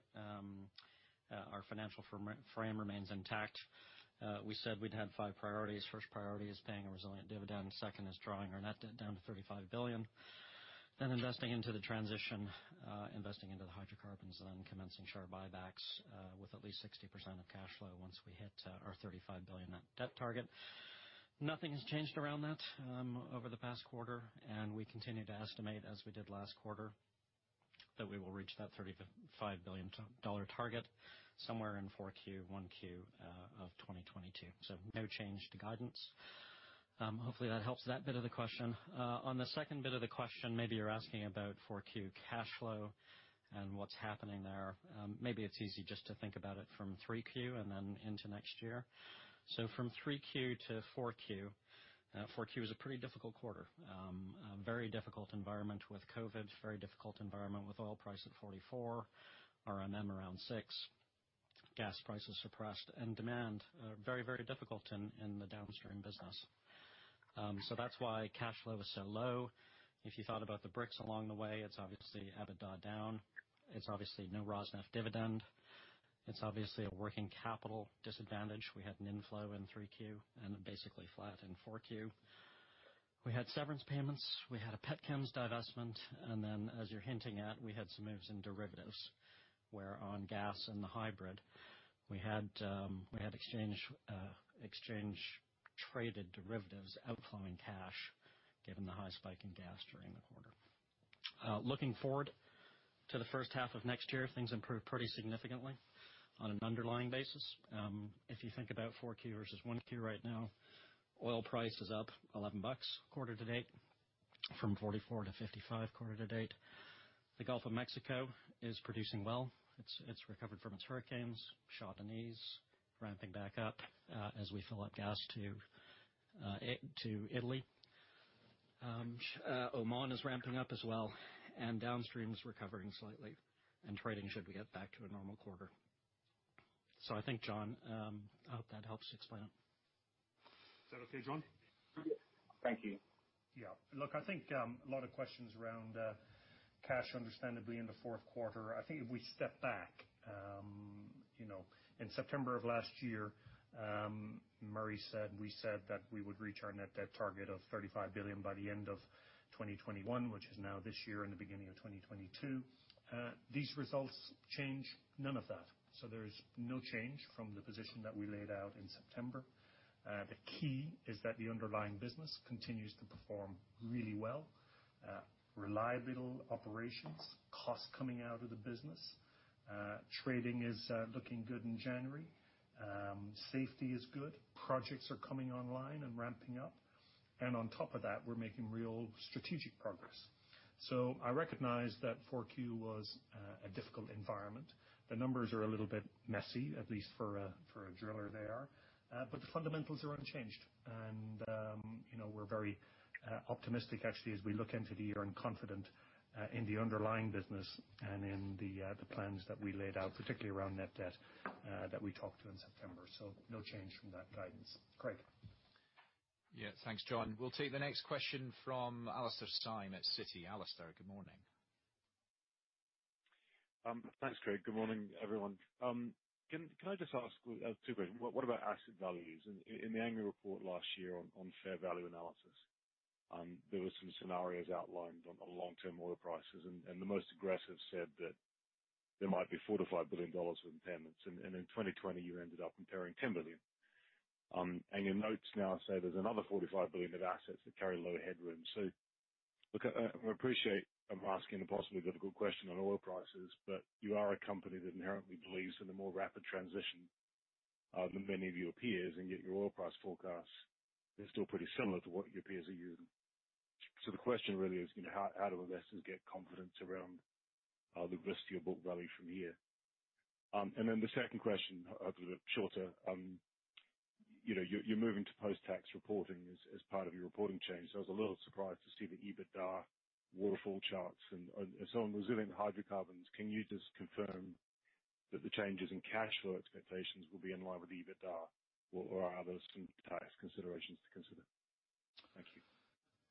[SPEAKER 4] our financial frame remains intact. We said we'd had five priorities. First priority is paying a resilient dividend. Second is drawing our net debt down to $35 billion. Investing into the transition, investing into the hydrocarbons, and then commencing share buybacks with at least 60% of cash flow once we hit our $35 billion net debt target. Nothing has changed around that over the past quarter, and we continue to estimate, as we did last quarter, that we will reach that $35 billion target somewhere in 4Q, 1Q of 2022. No change to guidance. Hopefully that helps that bit of the question. On the second bit of the question, maybe you're asking about Q4 cash flow and what's happening there. It's easy just to think about it from Q3 and then into next year. From Q3 to Q4 was a pretty difficult quarter. A very difficult environment with COVID, very difficult environment with oil price at $44, RMM around $6, gas prices suppressed, and demand very, very difficult in the Downstream business. That's why cash flow was so low. If you thought about the bricks along the way, it's obviously EBITDA down. It's obviously no Rosneft dividend. It's obviously a working capital disadvantage. We had an inflow in Q3, and basically flat in Q4. We had severance payments. We had a petchems divestment, and then as you're hinting at, we had some moves in derivatives, where on gas and the hybrid, we had exchange traded derivatives outflowing cash, given the high spike in gas during the quarter. Looking forward to the first half of next year, things improve pretty significantly on an underlying basis. If you think about Q4 versus Q1 right now, oil price is up $11 quarter to date from $44-$55 quarter to date. The Gulf of Mexico is producing well. It's recovered from its hurricanes. Shah Deniz ramping back up as we fill up gas to Italy. Oman is ramping up as well, Downstream is recovering slightly and trading should be get back to a normal quarter. I think, Jon, I hope that helps explain.
[SPEAKER 3] Is that okay, Jon?
[SPEAKER 5] Yes. Thank you.
[SPEAKER 3] Yeah. Look, I think a lot of questions around cash understandably in the fourth quarter. I think if we step back, in September of last year, Murray said, and we said that we would reach our net debt target of $35 billion by the end of 2021, which is now this year in the beginning of 2022. These results change none of that. There's no change from the position that we laid out in September. The key is that the underlying business continues to perform really well. Reliable operations, cost coming out of the business. Trading is looking good in January. Safety is good. Projects are coming online and ramping up. On top of that, we're making real strategic progress. I recognize that Q4 was a difficult environment. The numbers are a little bit messy, at least for a driller they are. The fundamentals are unchanged. We're very optimistic actually, as we look into the year and confident in the underlying business and in the plans that we laid out, particularly around net debt that we talked to in September. No change from that guidance. Craig?
[SPEAKER 2] Yeah. Thanks, Jon. We'll take the next question from Alastair Syme at Citi. Alastair, good morning.
[SPEAKER 6] Thanks, Craig. Good morning, everyone. Can I just ask two questions? What about asset values? In the annual report last year on fair value analysis, there were some scenarios outlined on long-term oil prices, The most aggressive said that there might be $45 billion of impairments. In 2020, you ended up impairing $10 billion. Your notes now say there's another $45 billion of assets that carry low headroom. Look, I appreciate I'm asking a possibly difficult question on oil prices, You are a company that inherently believes in a more rapid transition than many of your peers, Yet your oil price forecasts are still pretty similar to what your peers are using. The question really is, how do investors get confidence around the risk to your book value from here? The second question, a little shorter. You're moving to post-tax reporting as part of your reporting change. I was a little surprised to see the EBITDA waterfall charts. On resilient hydrocarbons, can you just confirm that the changes in cash flow expectations will be in line with the EBITDA? Are those some tax considerations to consider? Thank you.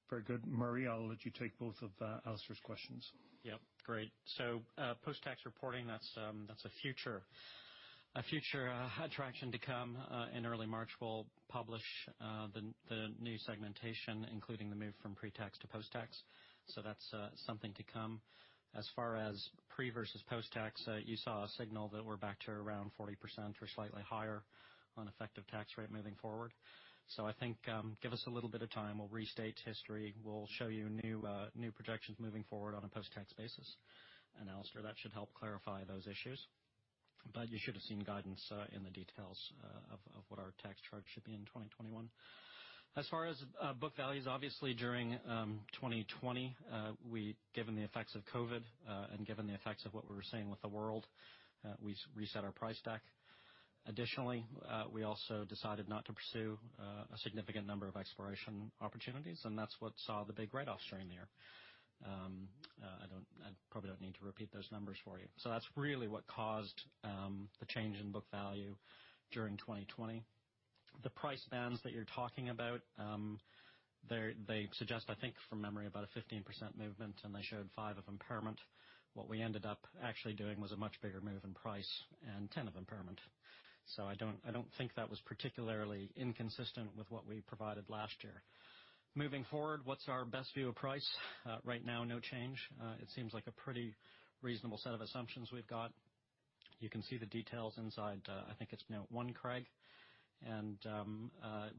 [SPEAKER 3] Very good. Murray, I'll let you take both of Alastair's questions.
[SPEAKER 4] Yep, great. Post-tax reporting, that's a future attraction to come. In early March, we'll publish the new segmentation, including the move from pre-tax to post-tax. That's something to come. As far as pre versus post-tax, you saw a signal that we're back to around 40% or slightly higher on effective tax rate moving forward. I think, give us a little bit of time. We'll restate history. We'll show you new projections moving forward on a post-tax basis. Alastair, that should help clarify those issues. You should have seen guidance in the details of what our tax charge should be in 2021. As far as book values, obviously during 2020, given the effects of COVID, and given the effects of what we were seeing with the world, we reset our price deck. Additionally, we also decided not to pursue a significant number of exploration opportunities. That's what saw the big write-offs during the year. I probably don't need to repeat those numbers for you. That's really what caused the change in book value during 2020. The price bands that you're talking about, they suggest, I think from memory, about a 15% movement. They showed five of impairment. What we ended up actually doing was a much bigger move in price and 10 of impairment. I don't think that was particularly inconsistent with what we provided last year. Moving forward, what's our best view of price? Right now, no change. It seems like a pretty reasonable set of assumptions we've got. You can see the details inside, I think it's Note one, Craig.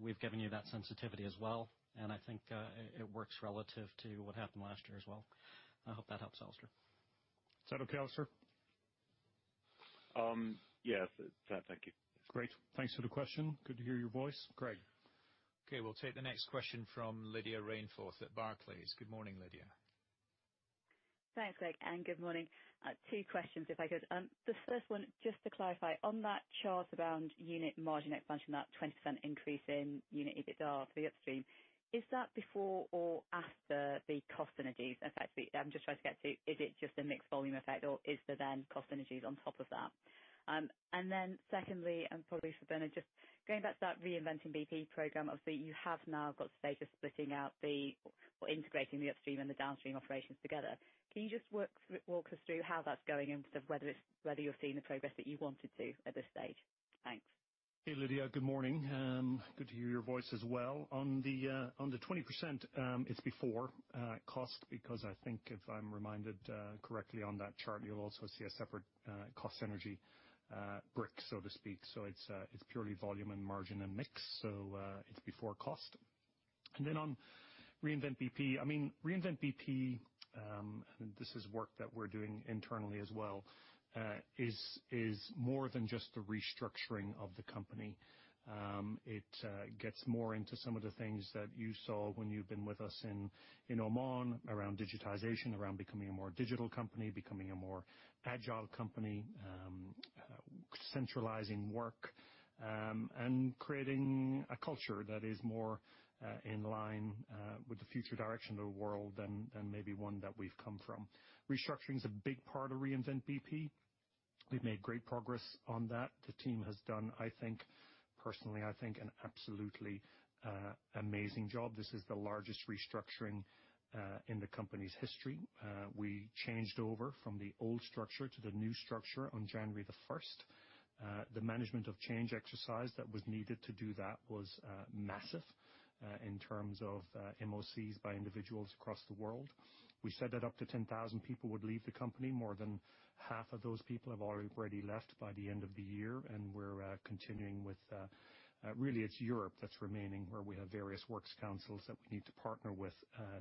[SPEAKER 4] We've given you that sensitivity as well, and I think it works relative to what happened last year as well. I hope that helps, Alastair.
[SPEAKER 3] Is that okay, Alastair?
[SPEAKER 6] Yes. Thank you.
[SPEAKER 3] Great. Thanks for the question. Good to hear your voice. Craig?
[SPEAKER 2] Okay. We'll take the next question from Lydia Rainforth at Barclays. Good morning, Lydia.
[SPEAKER 7] Thanks, Craig. Good morning. Two questions if I could. The first one, just to clarify, on that chart around unit margin expansion, that 20% increase in unit EBITDA for the Upstream, is that before or after the cost synergies effect? I'm just trying to get to, is it just a mix/volume effect or is there then cost synergies on top of that? Secondly, and probably for Bernard, just going back to that Reinvent bp program, obviously you have now got the stage of splitting out or integrating the Upstream and the Downstream operations together. Can you just walk us through how that's going in terms of whether you're seeing the progress that you wanted to at this stage? Thanks.
[SPEAKER 3] Hey, Lydia. Good morning. Good to hear your voice as well. On the 20%, it's before cost. I think if I'm reminded correctly on that chart, you'll also see a separate cost synergy brick, so to speak. It's purely volume and margin and mix. It's before cost. On Reinvent bp, and this is work that we're doing internally as well, is more than just the restructuring of the company. It gets more into some of the things that you saw when you've been with us in Oman around digitization, around becoming a more digital company, becoming a more agile company. Centralizing work, creating a culture that is more in line with the future direction of the world than maybe one that we've come from. Restructuring is a big part of Reinvent bp. We've made great progress on that. The team has done, personally, I think an absolutely amazing job. This is the largest restructuring in the company's history. We changed over from the old structure to the new structure on January the 1st. The management of change exercise that was needed to do that was massive, in terms of MOCs by individuals across the world. We said that up to 10,000 people would leave the company. More than half of those people have already left by the end of the year. We're continuing with Really it's Europe that's remaining, where we have various works councils that we need to partner with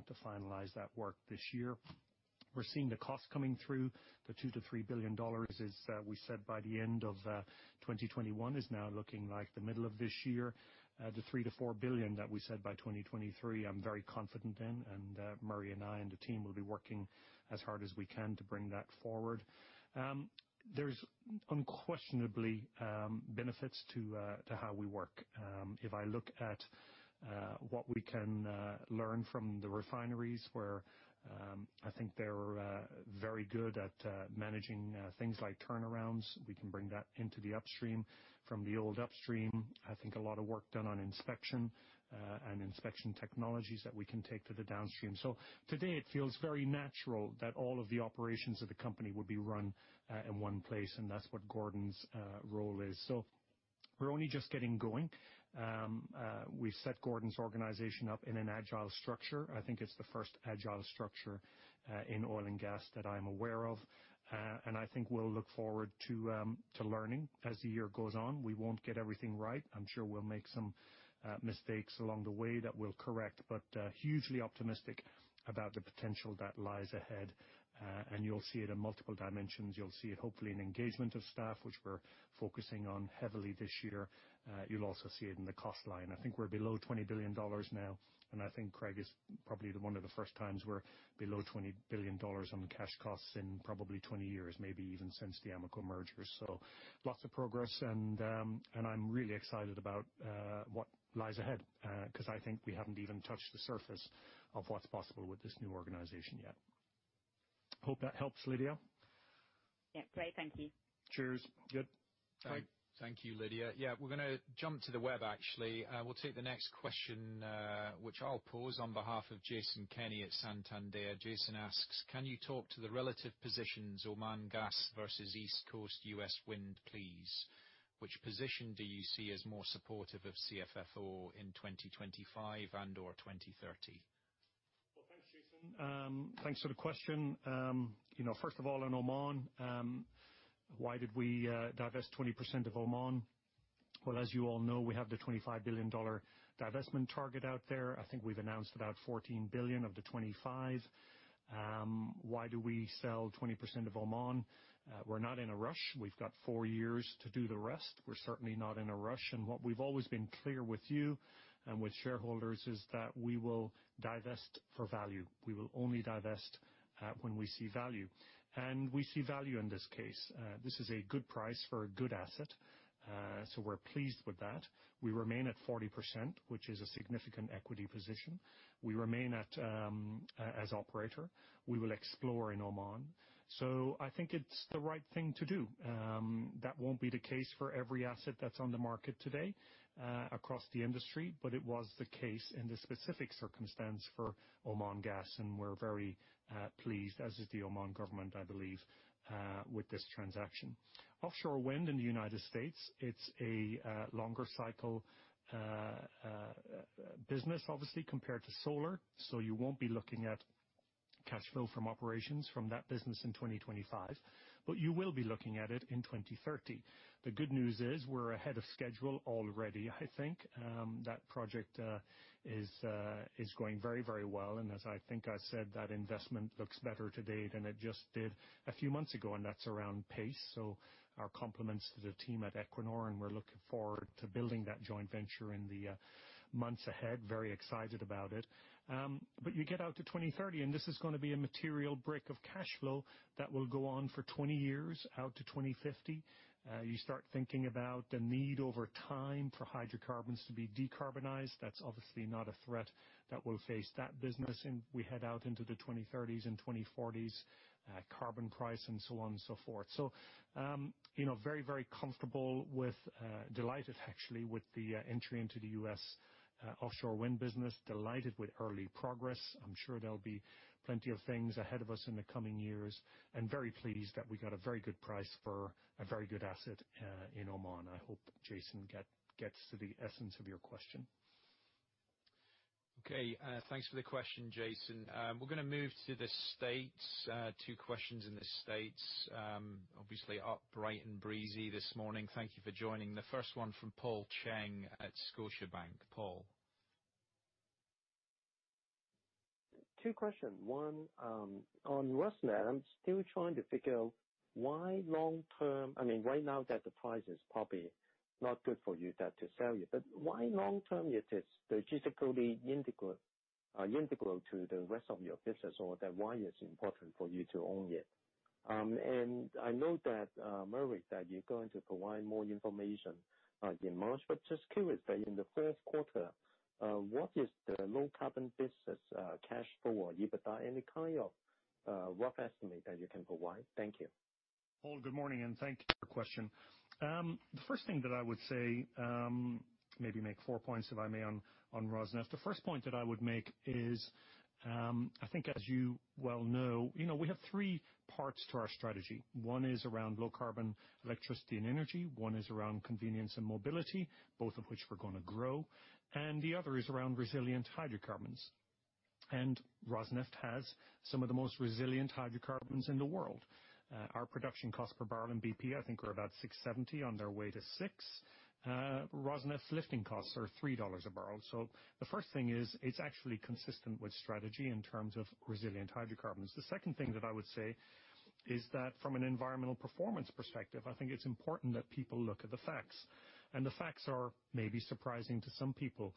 [SPEAKER 3] to finalize that work this year. We're seeing the cost coming through, the $2 billion-$3 billion is, we said by the end of 2021, is now looking like the middle of this year. The $3 billion-$4 billion that we said by 2023, I'm very confident in, and Murray and I and the team will be working as hard as we can to bring that forward. There's unquestionably benefits to how we work. If I look at what we can learn from the refineries where I think they're very good at managing things like turnarounds, we can bring that into the Upstream. From the old Upstream, I think a lot of work done on inspection, and inspection technologies that we can take to the Downstream. Today it feels very natural that all of the operations of the company would be run in one place, and that's what Gordon's role is. We're only just getting going. We've set Gordon's organization up in an agile structure. I think it's the first agile structure in oil and gas that I'm aware of. I think we'll look forward to learning as the year goes on. We won't get everything right. I'm sure we'll make some mistakes along the way that we'll correct, but hugely optimistic about the potential that lies ahead. You'll see it in multiple dimensions. You'll see it hopefully in engagement of staff, which we're focusing on heavily this year. You'll also see it in the cost line. I think we're below $20 billion now. I think Craig is probably one of the first times we're below $20 billion on the cash costs in probably 20 years, maybe even since the Amoco merger. Lots of progress and I'm really excited about what lies ahead, because I think we haven't even touched the surface of what's possible with this new organization yet. Hope that helps, Lydia.
[SPEAKER 7] Yeah. Great. Thank you.
[SPEAKER 3] Cheers. Yep. Craig.
[SPEAKER 2] Thank you, Lydia. Yeah. We're going to jump to the web, actually. We'll take the next question, which I'll pose on behalf of Jason Kenney at Santander. Jason asks, can you talk to the relative positions, Oman Gas versus East Coast U.S. Wind, please? Which position do you see as more supportive of CFFO in 2025 and or 2030?
[SPEAKER 3] Well, thanks, Jason. Thanks for the question. First of all, in Oman, why did we divest 20% of Oman? Well, as you all know, we have the $25 billion divestment target out there. I think we've announced about $14 billion of the $25 billion. Why do we sell 20% of Oman? We're not in a rush. We've got four years to do the rest. We're certainly not in a rush. What we've always been clear with you and with shareholders is that we will divest for value. We will only divest when we see value. We see value in this case. This is a good price for a good asset. We're pleased with that. We remain at 40%, which is a significant equity position. We remain as operator. We will explore in Oman. I think it's the right thing to do. That won't be the case for every asset that's on the market today, across the industry. It was the case in the specific circumstance for Oman Gas, and we're very pleased, as is the Oman government, I believe, with this transaction. Offshore wind in the U.S., it's a longer cycle business, obviously, compared to solar. You won't be looking at cash flow from operations from that business in 2025, but you will be looking at it in 2030. The good news is we're ahead of schedule already, I think. That project is going very, very well, and as I think I said, that investment looks better to date than it just did a few months ago, and that's around pace. Our compliments to the team at Equinor, and we're looking forward to building that joint venture in the months ahead. Very excited about it. You get out to 2030, and this is going to be a material brick of cash flow that will go on for 20 years, out to 2050. You start thinking about the need over time for hydrocarbons to be decarbonized. That's obviously not a threat that will face that business, and we head out into the 2030s and 2040s, carbon price and so on and so forth. Very, very delighted, actually, with the entry into the U.S. offshore wind business. Delighted with early progress. I'm sure there'll be plenty of things ahead of us in the coming years, and very pleased that we got a very good price for a very good asset in Oman. I hope Jason gets to the essence of your question.
[SPEAKER 2] Okay, thanks for the question, Jason. We're going to move to the States. Two questions in the States Obviously up bright and breezy this morning. Thank you for joining. The first one from Paul Cheng at Scotiabank. Paul.
[SPEAKER 8] Two questions. One, on Rosneft, I'm still trying to figure out why right now that the price is probably not good for you to sell, but why long term it is strategically integral to the rest of your business or why it's important for you to own it? I know that, Murray, that you're going to provide more information in March, but just curious that in the first quarter, what is the low carbon business cash flow or EBITDA? Any kind of rough estimate that you can provide? Thank you.
[SPEAKER 3] Paul, good morning, thank you for your question. The first thing that I would say, maybe make four points if I may, on Rosneft. The first point that I would make is, I think as you well know, we have three parts to our strategy. One is around low carbon electricity and energy, one is around Convenience & Mobility, both of which we're going to grow, and the other is around resilient hydrocarbons. Rosneft has some of the most resilient hydrocarbons in the world. Our production cost per barrel in BP, I think we're about $6.70, on their way to $6. Rosneft's lifting costs are $3 a barrel. The first thing is, it's actually consistent with strategy in terms of resilient hydrocarbons. The second thing that I would say is that from an environmental performance perspective, I think it's important that people look at the facts. The facts are maybe surprising to some people.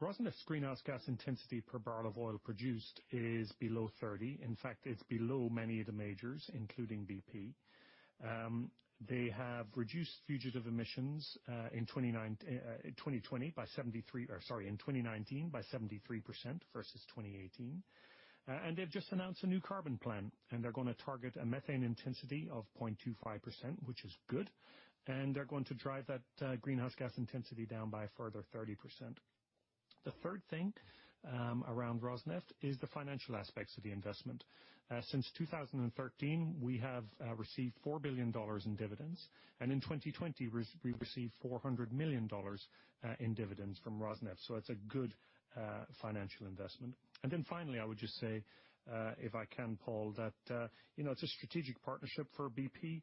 [SPEAKER 3] Rosneft's greenhouse gas intensity per barrel of oil produced is below 30. In fact, it's below many of the majors, including BP. They have reduced fugitive emissions in 2019 by 73% versus 2018. They've just announced a new carbon plan, and they're going to target a methane intensity of 0.25%, which is good. They're going to drive that greenhouse gas intensity down by a further 30%. The third thing around Rosneft is the financial aspects of the investment. Since 2013, we have received $4 billion in dividends, and in 2020, we received $400 million in dividends from Rosneft. It's a good financial investment. Finally, I would just say, if I can, Paul, that it's a strategic partnership for BP.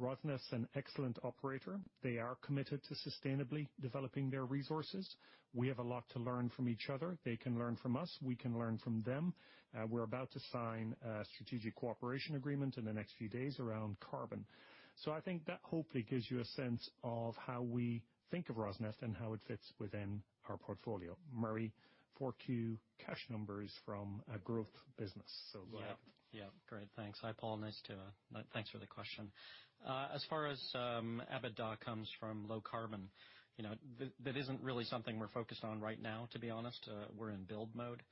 [SPEAKER 3] Rosneft's an excellent operator. They are committed to sustainably developing their resources. We have a lot to learn from each other. They can learn from us. We can learn from them. We're about to sign a strategic cooperation agreement in the next few days around carbon. I think that hopefully gives you a sense of how we think of Rosneft and how it fits within our portfolio. Murray, 4 Q cash numbers from a growth business. Go ahead.
[SPEAKER 4] Yeah. Great, thanks. Hi, Paul. Thanks for the question. As far as EBITDA comes from low carbon, that isn't really something we're focused on right now, to be honest. We're in build mode.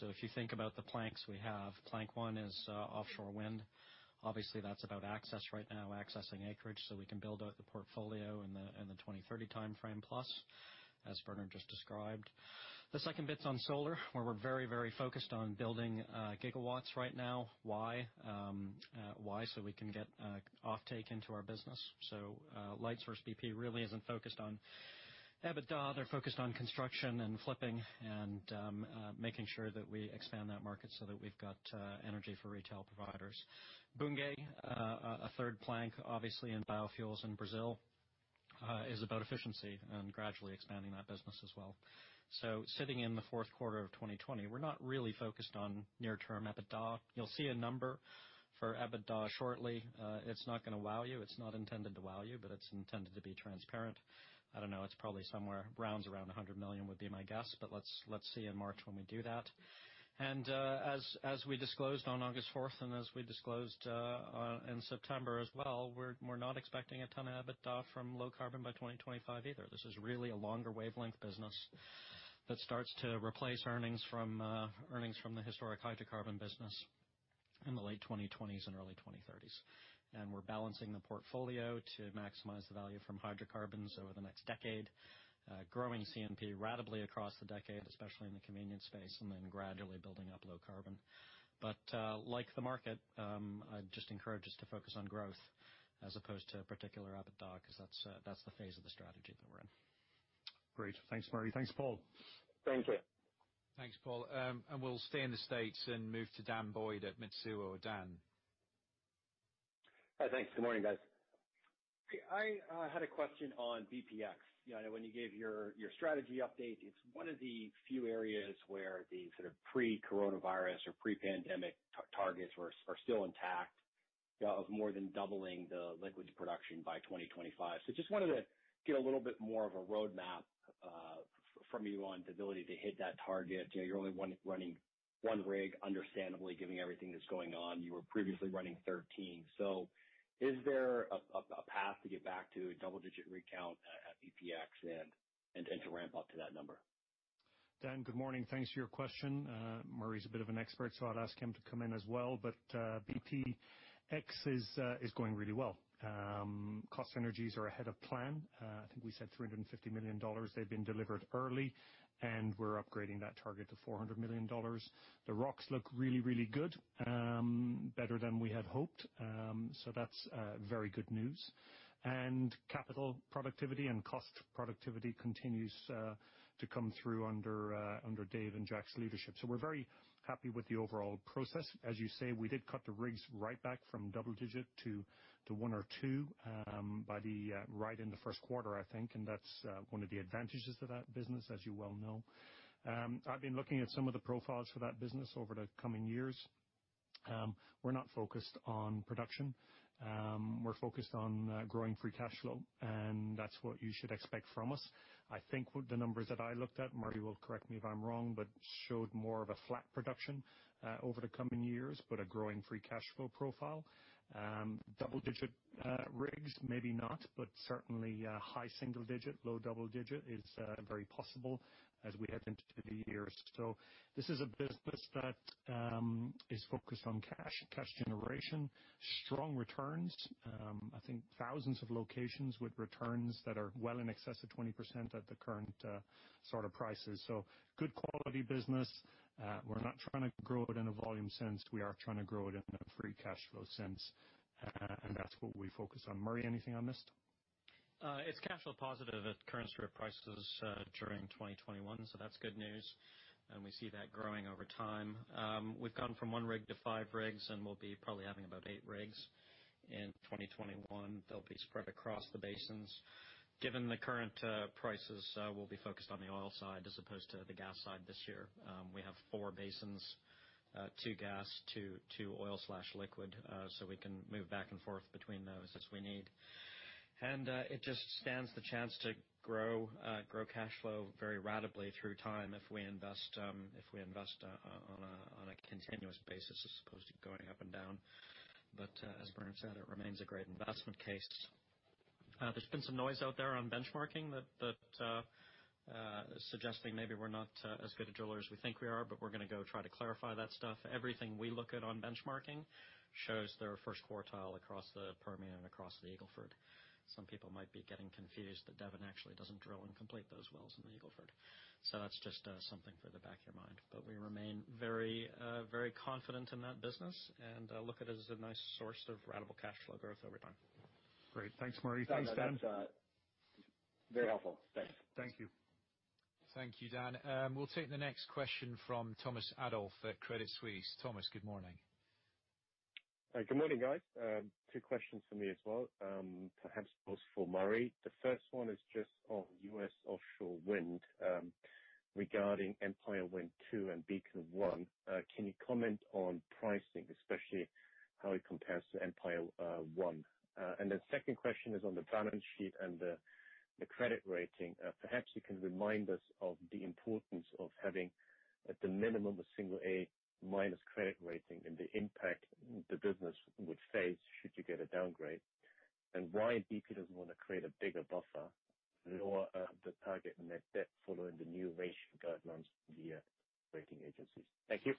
[SPEAKER 4] If you think about the planks we have, plank one is offshore wind. Obviously, that's about access right now, accessing acreage so we can build out the portfolio in the 2030 timeframe plus, as Bernard just described. The second bit's on solar, where we're very focused on building gigawatts right now. Why? We can get offtake into our business. Lightsource bp really isn't focused on EBITDA. They're focused on construction and flipping and making sure that we expand that market so that we've got energy for retail providers. Bunge, a third plank, obviously in biofuels in Brazil, is about efficiency and gradually expanding that business as well. Sitting in the fourth quarter of 2020, we're not really focused on near term EBITDA. You'll see a number for EBITDA shortly. It's not going to wow you. It's not intended to wow you, but it's intended to be transparent. I don't know. It's probably somewhere around $100 million would be my guess. Let's see in March when we do that. As we disclosed on August 4th, and as we disclosed in September as well, we're not expecting a ton of EBITDA from low carbon by 2025 either. This is really a longer wavelength business that starts to replace earnings from the historic hydrocarbon business in the late 2020s and early 2030s. We're balancing the portfolio to maximize the value from hydrocarbons over the next decade. Growing C&P ratably across the decade, especially in the convenience space, and then gradually building up low carbon. Like the market, I'd just encourage us to focus on growth as opposed to particular EBITDA, because that's the phase of the strategy that we're in.
[SPEAKER 3] Great. Thanks, Murray. Thanks, Paul.
[SPEAKER 8] Thank you.
[SPEAKER 2] Thanks, Paul. We'll stay in the States and move to Dan Boyd at Mizuho. Dan.
[SPEAKER 9] Hi. Thanks. Good morning, guys. I had a question on BPX. I know when you gave your strategy update, it's one of the few areas where the sort of pre-coronavirus or pre-pandemic targets are still intact, of more than doubling the liquids production by 2025. Just wanted to get a little bit more of a roadmap from you on the ability to hit that target. You're only running one rig, understandably, given everything that's going on. You were previously running 13. Is there a path to get back to a double-digit rig count at BPX and to ramp up to that number?
[SPEAKER 3] Dan, good morning. Thanks for your question. Murray's a bit of an expert, so I'd ask him to come in as well. BPX is going really well. Cost synergies are ahead of plan. I think we said $350 million. They've been delivered early, and we're upgrading that target to $400 million. The rocks look really, really good. Better than we had hoped. That's very good news. Capital productivity and cost productivity continues to come through under Dave and Jack's leadership. We're very happy with the overall process. As you say, we did cut the rigs right back from double digit to one or two right in the first quarter, I think. That's one of the advantages to that business, as you well know. I've been looking at some of the profiles for that business over the coming years. We're not focused on production. We're focused on growing free cash flow, and that's what you should expect from us. I think with the numbers that I looked at, Murray will correct me if I'm wrong, showed more of a flat production over the coming years, a growing free cash flow profile. Double-digit rigs, maybe not, certainly high single digit, low double digit is very possible as we head into the years. This is a business that is focused on cash generation, strong returns. I think thousands of locations with returns that are well in excess of 20% at the current sort of prices. Good quality business. We're not trying to grow it in a volume sense. We are trying to grow it in a free cash flow sense, that's what we focus on. Murray, anything on this?
[SPEAKER 4] It's cash flow positive at current strip prices during 2021, so that's good news, and we see that growing over time. We've gone from one rig to five rigs, and we'll be probably having about eight rigs in 2021. They'll be spread across the basins. Given the current prices, we'll be focused on the oil side as opposed to the gas side this year. We have four basins, two gas, two oil/liquid. We can move back and forth between those as we need. It just stands the chance to grow cash flow very ratably through time if we invest on a continuous basis as opposed to going up and down. As Bernard said, it remains a great investment case. There's been some noise out there on benchmarking suggesting maybe we're not as good a driller as we think we are. We're going to go try to clarify that stuff. Everything we look at on benchmarking shows they're first quartile across the Permian and across the Eagle Ford. Some people might be getting confused that Devon actually doesn't drill and complete those wells in the Eagle Ford. That's just something for the back of your mind. We remain very confident in that business and look at it as a nice source of ratable cash flow growth over time.
[SPEAKER 3] Great. Thanks, Murray. Thanks, Dan.
[SPEAKER 9] That's very helpful. Thanks.
[SPEAKER 3] Thank you.
[SPEAKER 2] Thank you, Dan. We'll take the next question from Thomas Adolff at Credit Suisse. Thomas, good morning.
[SPEAKER 10] Good morning, guys. two questions from me as well. Perhaps both for Murray. The first one is just on U.S. offshore wind regarding Empire Wind 2 and Beacon Wind 1. Can you comment on pricing, especially how it compares to Empire Wind 1? The second question is on the balance sheet and the credit rating. Perhaps you can remind us of the importance of having at the minimum, a single A- credit rating and the impact the business would face should you get a downgrade, and why BP doesn't want to create a bigger buffer nor the target net debt following the new ratio guidelines from the rating agencies. Thank you.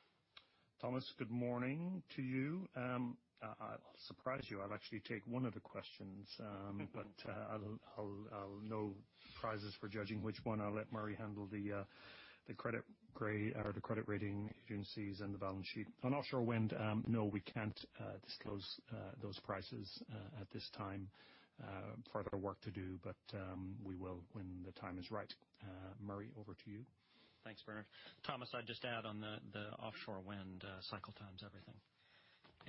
[SPEAKER 3] Thomas, good morning to you. I'll surprise you. I'll actually take one of the questions. No prizes for judging which one. I'll let Murray handle the credit rating agencies and the balance sheet. On offshore wind, no, we can't disclose those prices at this time. Further work to do, but we will when the time is right. Murray, over to you.
[SPEAKER 4] Thanks, Bernard. Thomas, I'd just add on the offshore wind cycle time's everything.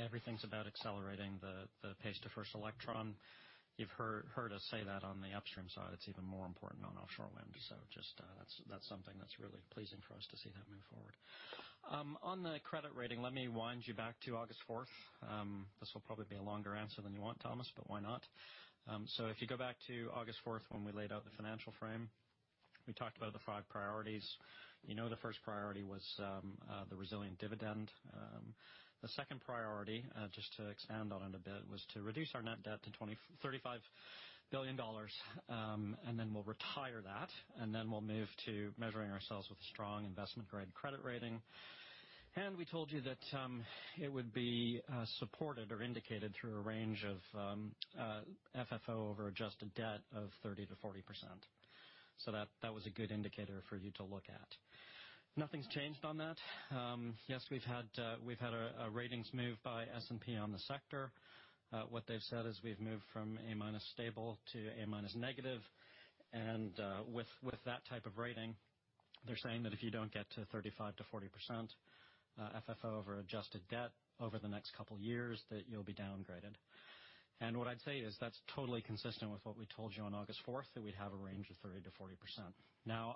[SPEAKER 4] Everything's about accelerating the pace to first electron. You've heard us say that on the Upstream side, it's even more important on offshore wind. That's something that's really pleasing for us to see that move forward. On the credit rating, let me wind you back to August 4th. This will probably be a longer answer than you want, Thomas, but why not? If you go back to August 4th, when we laid out the financial frame, we talked about the five priorities. You know the first priority was the resilient dividend. The second priority, just to expand on it a bit, was to reduce our net debt to $35 billion. Then we'll retire that, and then we'll move to measuring ourselves with a strong investment-grade credit rating. We told you that it would be supported or indicated through a range of FFO over adjusted debt of 30%-40%. That was a good indicator for you to look at. Nothing's changed on that. Yes, we've had a ratings move by S&P on the sector. What they've said is we've moved from A-minus stable to A-minus negative. With that type of rating, they're saying that if you don't get to 35%-40% FFO over adjusted debt over the next couple of years, that you'll be downgraded. What I'd say is that's totally consistent with what we told you on August 4th, that we'd have a range of 30%-40%.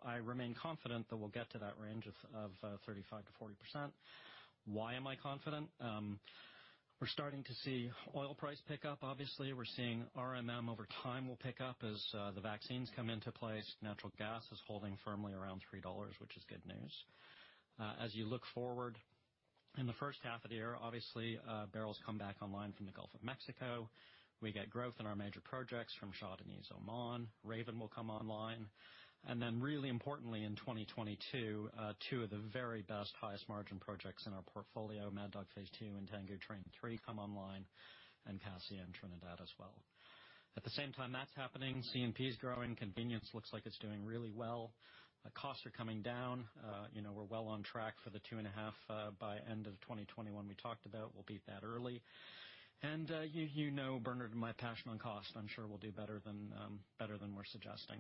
[SPEAKER 4] I remain confident that we'll get to that range of 35%-40%. Why am I confident? We're starting to see oil price pick up, obviously. We're seeing RMM over time will pick up as the vaccines come into place. Natural gas is holding firmly around $3, which is good news. As you look forward in the first half of the year, obviously, barrels come back online from the Gulf of Mexico. We get growth in our major projects from Shah Deniz, Oman. Raven will come online. Really importantly, in 2022, two of the very best highest margin projects in our portfolio, Mad Dog Phase 2 and Tangguh Train 3, come online, and Cassia in Trinidad as well. At the same time that's happening, C&M is growing. Convenience looks like it's doing really well. Costs are coming down. We're well on track for the two and a half by end of 2021 we talked about. We'll beat that early. You know Bernard and my passion on cost. I'm sure we'll do better than we're suggesting.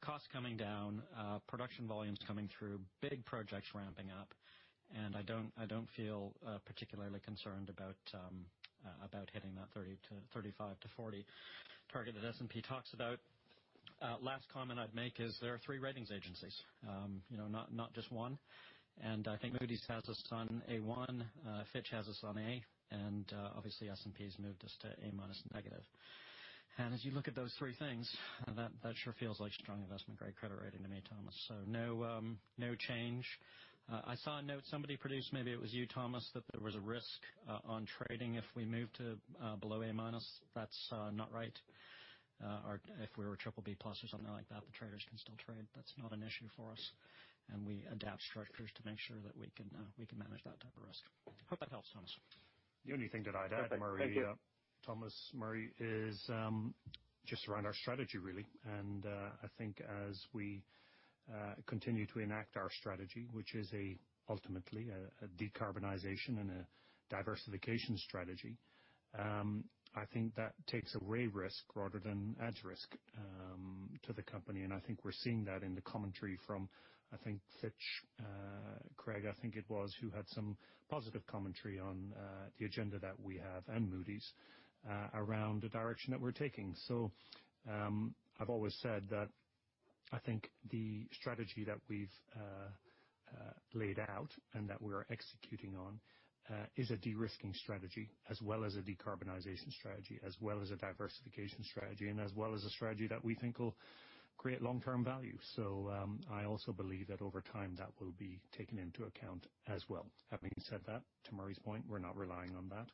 [SPEAKER 4] Costs coming down, production volumes coming through, big projects ramping up, and I don't feel particularly concerned about hitting that 35%-40% target that S&P talks about. Last comment I'd make is there are three ratings agencies, not just one. I think Moody's has us on A1, Fitch has us on A, and obviously S&P has moved us to A-minus negative. As you look at those three things, that sure feels like strong investment grade credit rating to me, Thomas. No change. I saw a note somebody produced, maybe it was you, Thomas, that there was a risk on trading if we moved to below A-minus. That's not right. If we were BBB+ or something like that, the traders can still trade. That's not an issue for us. We adapt structures to make sure that we can manage that type of risk. Hope that helps, Thomas.
[SPEAKER 3] The only thing that I'd add, Murray.
[SPEAKER 10] Thank you.
[SPEAKER 3] Thomas, Murray, is just around our strategy, really. I think as we continue to enact our strategy, which is ultimately a decarbonization and a diversification strategy, I think that takes away risk rather than adds risk to the company. I think we're seeing that in the commentary from, I think Fitch, Craig, I think it was, who had some positive commentary on the agenda that we have, and Moody's, around the direction that we're taking. I've always said that I think the strategy that we've laid out and that we are executing on is a de-risking strategy as well as a decarbonization strategy, as well as a diversification strategy, and as well as a strategy that we think will create long-term value. I also believe that over time, that will be taken into account as well. Having said that, to Murray's point, we're not relying on that.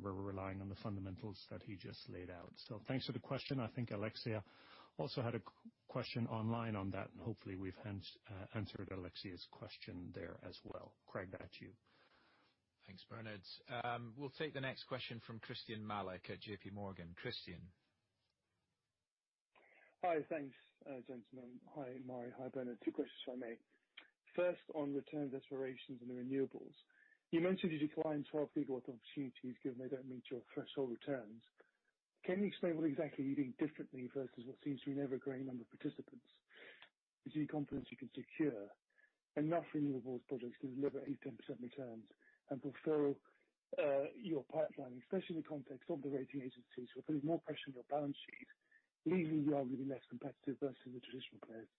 [SPEAKER 3] We're relying on the fundamentals that he just laid out. Thanks for the question. I think Alexia also had a question online on that, and hopefully we've answered Alexia's question there as well. Craig, back to you.
[SPEAKER 2] Thanks, Bernard. We'll take the next question from Christyan Malek at JPMorgan. Christyan.
[SPEAKER 11] Hi. Thanks, gentlemen. Hi, Murray. Hi, Bernard. Two questions if I may. First, on returns, aspirations, and the renewables. You mentioned you declined 12 GW of opportunities given they don't meet your threshold returns. Can you explain what exactly you're doing differently versus what seems to be an ever-growing number of participants? Is your confidence you can secure enough renewables projects to deliver 8%-10% returns and fulfill your pipeline, especially in the context of the rating agencies who are putting more pressure on your balance sheet, leaving you arguably less competitive versus the traditional players?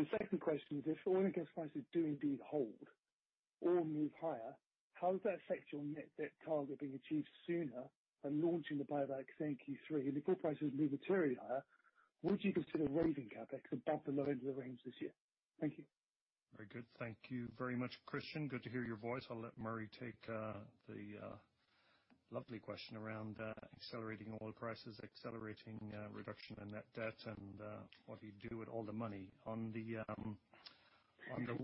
[SPEAKER 11] The second question is, if oil and gas prices do indeed hold or move higher, how does that affect your net debt target being achieved sooner and launching the buyback saying Q3? If oil prices move materially higher, would you consider raising CapEx above the low end of the range this year? Thank you.
[SPEAKER 3] Very good. Thank you very much, Christyan. Good to hear your voice. I'll let Murray take the lovely question around accelerating oil prices, accelerating reduction in net debt, and what do you do with all the money. On the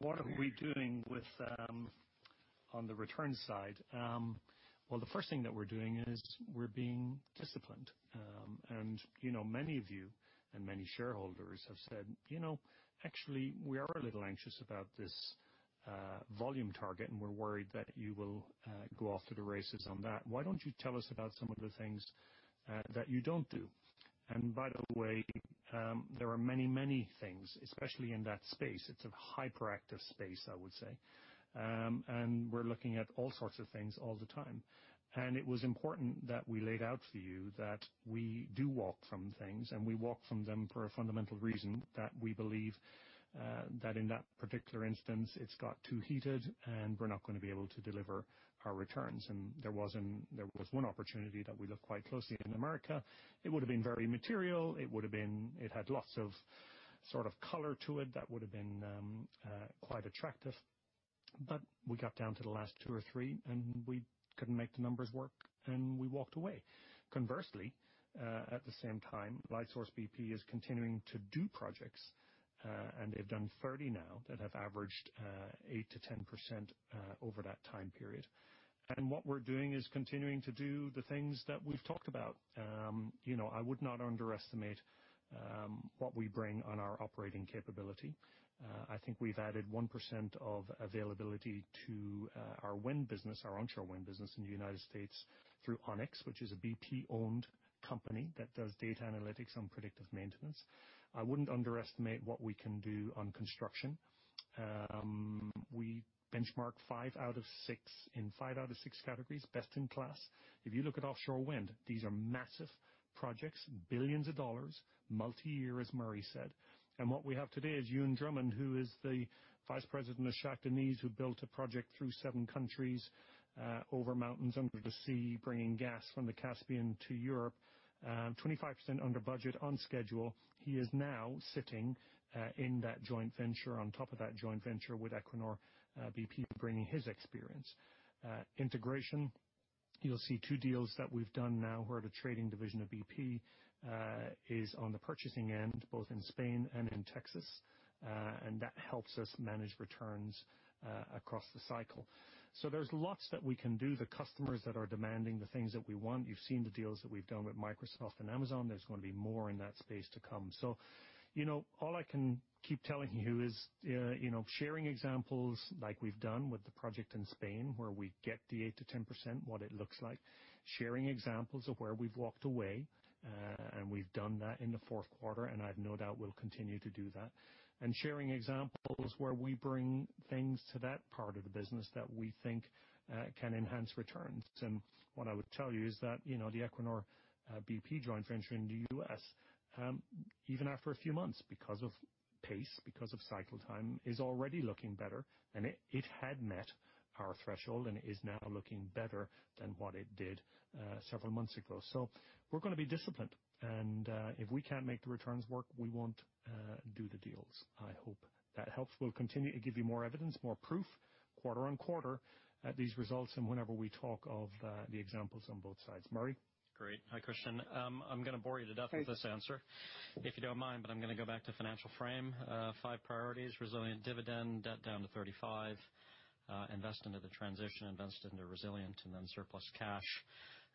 [SPEAKER 3] what are we doing on the return side. Well, the first thing that we're doing is we're being disciplined. Many of you and many shareholders have said, "Actually, we are a little anxious about this volume target, and we're worried that you will go off to the races on that. Why don't you tell us about some of the things that you don't do?" By the way, there are many things, especially in that space. It's a hyperactive space, I would say. We're looking at all sorts of things all the time. It was important that we laid out for you that we do walk from things, and we walk from them for a fundamental reason that we believe that in that particular instance, it's got too heated and we're not going to be able to deliver our returns. There was one opportunity that we looked quite closely in America. It would've been very material. It had lots of color to it that would've been quite attractive. We got down to the last two or three, and we couldn't make the numbers work, and we walked away. Conversely, at the same time, Lightsource bp is continuing to do projects. They've done 30 now that have averaged 8%-10% over that time period. What we're doing is continuing to do the things that we've talked about. I would not underestimate what we bring on our operating capability. I think we've added 1% of availability to our wind business, our onshore wind business in the United States, through ONYX, which is a BP-owned company that does data analytics on predictive maintenance. I wouldn't underestimate what we can do on construction. We benchmarked in five out of six categories best in class. If you look at offshore wind, these are massive projects, billions of dollars, multi-year, as Murray said. What we have today is Ewan Drummond, who is the Vice President of Shah Deniz, who built a project through seven countries, over mountains, under the sea, bringing gas from the Caspian to Europe. 25% under budget, on schedule. He is now sitting in that joint venture, on top of that joint venture with Equinor BP, bringing his experience. Integration, you'll see two deals that we've done now, where the trading division of BP is on the purchasing end, both in Spain and in Texas. That helps us manage returns across the cycle. There's lots that we can do. The customers that are demanding the things that we want. You've seen the deals that we've done with Microsoft and Amazon. There's going to be more in that space to come. All I can keep telling you is sharing examples like we've done with the project in Spain, where we get the 8%-10%, what it looks like. Sharing examples of where we've walked away, and we've done that in the fourth quarter, and I've no doubt we'll continue to do that. Sharing examples where we bring things to that part of the business that we think can enhance returns. What I would tell you is that, the Equinor BP joint venture in the U.S., even after a few months, because of pace, because of cycle time, is already looking better. It had met our threshold and is now looking better than what it did several months ago. We're going to be disciplined. If we can't make the returns work, we won't do the deals. I hope that helps. We'll continue to give you more evidence, more proof, quarter on quarter at these results, and whenever we talk of the examples on both sides. Murray?
[SPEAKER 4] Great. Hi, Christyan. I'm going to bore you to death with this answer, if you don't mind, I'm going to go back to financial frame. Five priorities, resilient dividend, debt down to $35 billion, invest into the transition, invest into resilient, then surplus cash,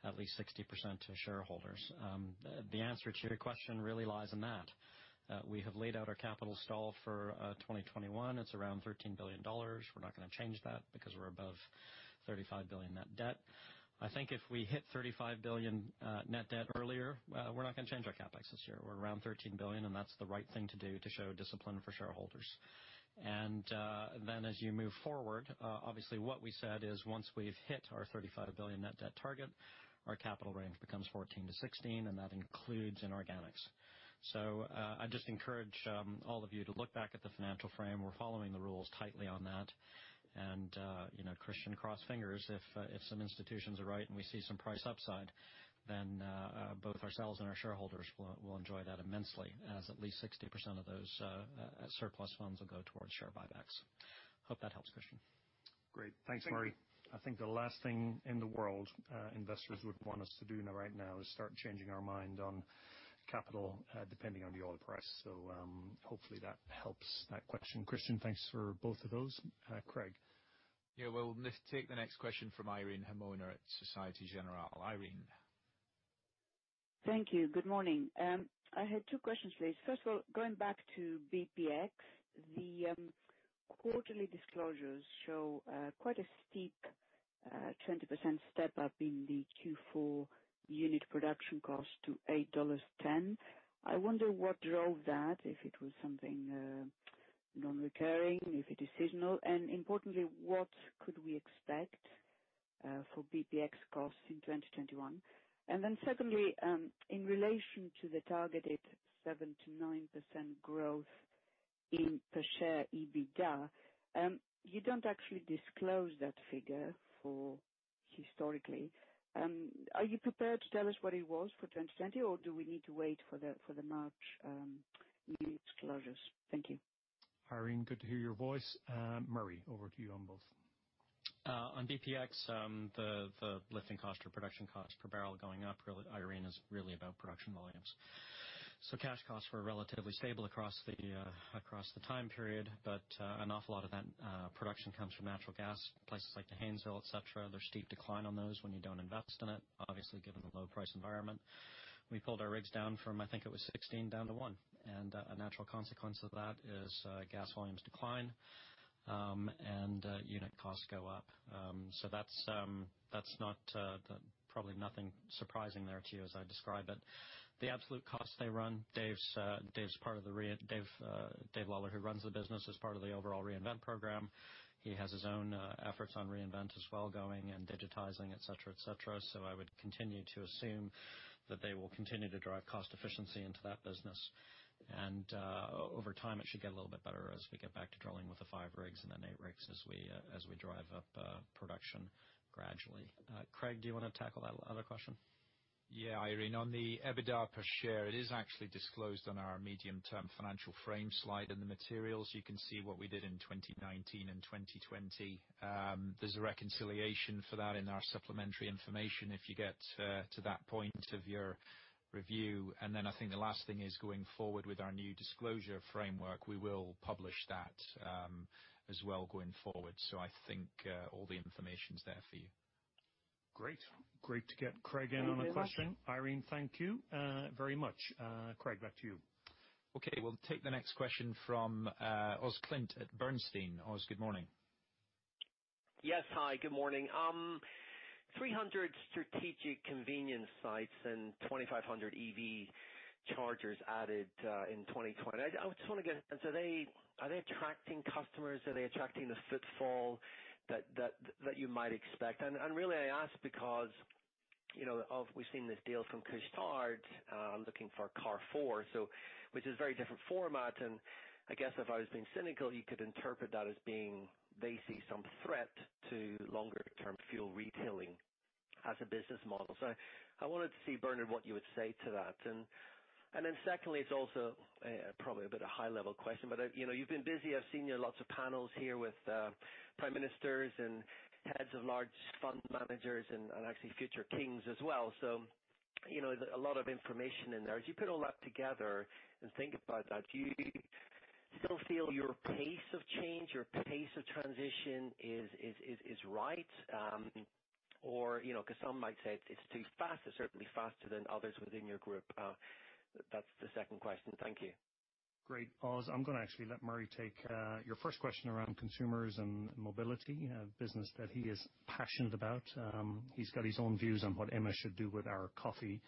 [SPEAKER 4] at least 60% to shareholders. The answer to your question really lies in that. We have laid out our capital stall for 2021. It's around $13 billion. We're not going to change that because we're above $35 billion net debt. If we hit $35 billion net debt earlier, we're not going to change our CapEx this year. We're around $13 billion, and that's the right thing to do to show discipline for shareholders. As you move forward, obviously what we said is once we've hit our $35 billion net debt target, our capital range becomes $14 billion-$16 billion, and that includes inorganics. I'd just encourage all of you to look back at the financial frame. We're following the rules tightly on that. Christyan, cross fingers, if some institutions are right and we see some price upside, then both ourselves and our shareholders will enjoy that immensely as at least 60% of those surplus funds will go towards share buybacks. Hope that helps, Christyan.
[SPEAKER 3] Great. Thanks, Murray. I think the last thing in the world investors would want us to do right now is start changing our mind on capital, depending on the oil price. Hopefully that helps that question. Christyan, thanks for both of those. Craig?
[SPEAKER 2] Yeah. We'll take the next question from Irene Himona at Societe Generale. Irene.
[SPEAKER 12] Thank you. Good morning. I had two questions, please. First of all, going back to BPX, the quarterly disclosures show quite a steep 20% step-up in the Q4 unit production cost to $8.10. I wonder what drove that, if it was something non-recurring, if it is seasonal. Importantly, what could we expect for BPX costs in 2021? Secondly, in relation to the targeted 7%-9% growth in per share EBITDA, you don't actually disclose that figure historically. Are you prepared to tell us what it was for 2020, or do we need to wait for the March unit disclosures? Thank you.
[SPEAKER 3] Irene, good to hear your voice. Murray, over to you on both.
[SPEAKER 4] On BPX, the lifting cost or production cost per barrel going up, Irene, is really about production volumes. Cash costs were relatively stable across the time period, but an awful lot of that production comes from natural gas, places like the Haynesville, et cetera. There's steep decline on those when you don't invest in it. Obviously, given the low price environment. We pulled our rigs down from, I think it was 16 down to one. A natural consequence of that is gas volumes decline, and unit costs go up. That's probably nothing surprising there to you as I describe it. The absolute costs they run, Dave Lawler, who runs the business, is part of the overall Reinvent program. He has his own efforts on Reinvent as well going and digitizing, et cetera. I would continue to assume that they will continue to drive cost efficiency into that business. Over time, it should get a little bit better as we get back to drilling with the five rigs and then eight rigs as we drive up production gradually. Craig, do you want to tackle that other question?
[SPEAKER 2] Yeah, Irene. On the EBITDA per share, it is actually disclosed on our medium-term financial frame slide in the materials. You can see what we did in 2019 and 2020. There's a reconciliation for that in our supplementary information if you get to that point of your review. I think the last thing is going forward with our new disclosure framework. We will publish that as well going forward. I think all the information's there for you.
[SPEAKER 3] Great. Great to get Craig in on a question. Irene, thank you very much. Craig, back to you.
[SPEAKER 2] Okay. We'll take the next question from Os Clint at Bernstein. Os, good morning.
[SPEAKER 13] Yes. Hi, good morning. 300 strategic convenience sites and 2,500 EV chargers added in 2020. I just want to get an answer. Are they attracting customers? Are they attracting the footfall that you might expect? Really I ask because we've seen this deal from Couche-Tard looking for Carrefour, which is a very different format, and I guess if I was being cynical, you could interpret that as being, they see some threat to longer term fuel retailing as a business model. I wanted to see, Bernard, what you would say to that. Then secondly, it's also probably a bit of high level question, you've been busy. I've seen you on lots of panels here with prime ministers and heads of large fund managers and actually future kings as well. There's a lot of information in there. As you put all that together and think about that, do you still feel your pace of change, your pace of transition is right? Some might say it's too fast or certainly faster than others within your group. That's the second question. Thank you.
[SPEAKER 3] Great, Os. I'm going to actually let Murray take your first question around consumers and mobility, a business that he is passionate about. He's got his own views on what Emma should do with our coffee,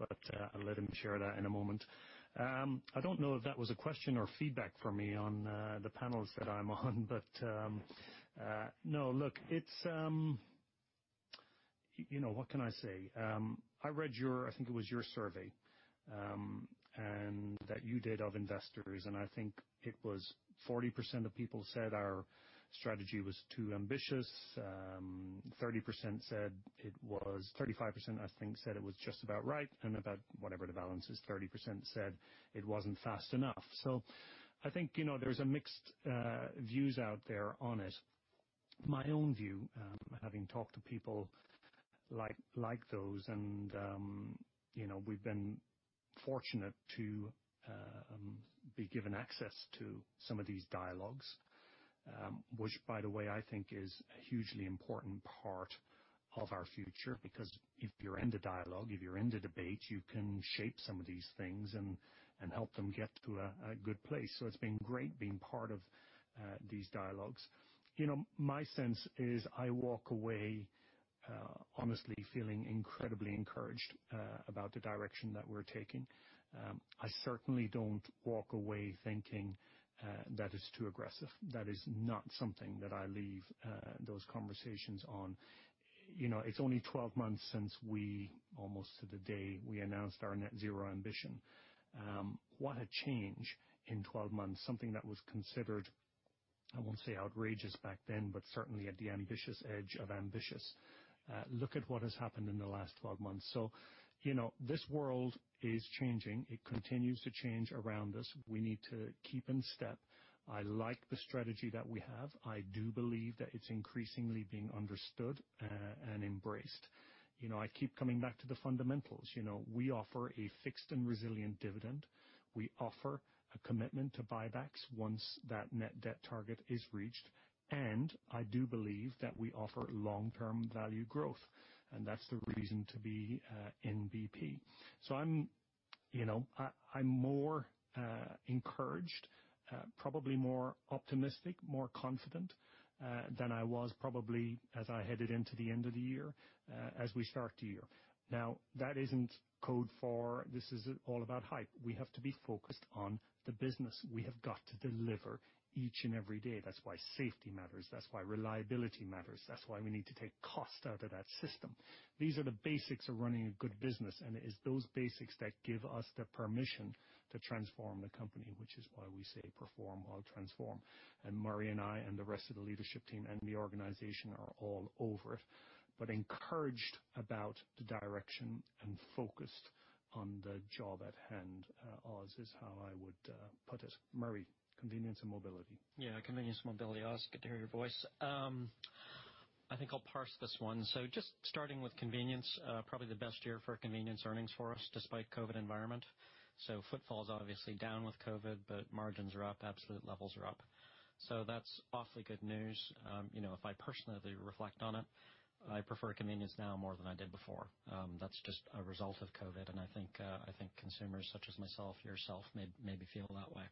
[SPEAKER 3] but I'll let him share that in a moment. I don't know if that was a question or feedback for me on the panels that I'm on. No. Look, what can I say? I read your, I think it was your survey that you did of investors, and I think it was 40% of people said our strategy was too ambitious. 30% said it was 35%, I think, said it was just about right, and about, whatever the balance is, 30% said it wasn't fast enough. I think there's mixed views out there on it. My own view, having talked to people like those and we've been fortunate to be given access to some of these dialogues. Which by the way, I think is a hugely important part of our future because if you're in the dialogue, if you're in the debate, you can shape some of these things and help them get to a good place. It's been great being part of these dialogues. My sense is I walk away honestly feeling incredibly encouraged about the direction that we're taking. I certainly don't walk away thinking that it's too aggressive. That is not something that I leave those conversations on. It's only 12 months since we, almost to the day, we announced our net zero ambition. What a change in 12 months. Something that was considered, I won't say outrageous back then, but certainly at the ambitious edge of ambitious. Look at what has happened in the last 12 months. This world is changing. It continues to change around us. We need to keep in step. I like the strategy that we have. I do believe that it's increasingly being understood and embraced. I keep coming back to the fundamentals. We offer a fixed and resilient dividend. We offer a commitment to buybacks once that net debt target is reached. I do believe that we offer long-term value growth, and that's the reason to be in BP. I'm more encouraged, probably more optimistic, more confident than I was probably as I headed into the end of the year as we start the year. That isn't code for this is all about hype. We have to be focused on the business. We have got to deliver each and every day. That's why safety matters. That's why reliability matters. That's why we need to take cost out of that system. These are the basics of running a good business, and it is those basics that give us the permission to transform the company, which is why we say perform or transform. Murray and I and the rest of the leadership team and the organization are all over it, but encouraged about the direction and focused on the job at hand, Os, is how I would put it. Murray, Convenience & Mobility.
[SPEAKER 4] Convenience & Mobility. Os, good to hear your voice. I think I'll parse this one. Just starting with Convenience. Probably the best year for Convenience earnings for us despite COVID environment. Footfall is obviously down with COVID, but margins are up, absolute levels are up. That's awfully good news. If I personally reflect on it, I prefer Convenience now more than I did before. That's just a result of COVID, and I think consumers such as myself, yourself, maybe feel that way.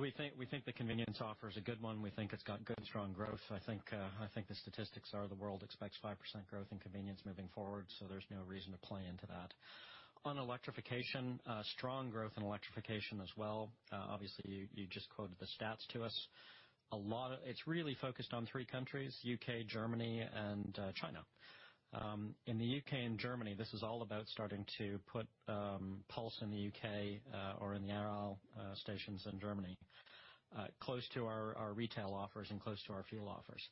[SPEAKER 4] We think the Convenience offer is a good one. We think it's got good, strong growth. I think the statistics are the world expects 5% growth in Convenience moving forward, there's no reason to play into that. On electrification, strong growth in electrification as well. Obviously, you just quoted the stats to us. It's really focused on three countries, U.K., Germany, and China. In the U.K. and Germany, this is all about starting to put bp pulse in the U.K. or in the Aral stations in Germany close to our retail offers and close to our fuel offers.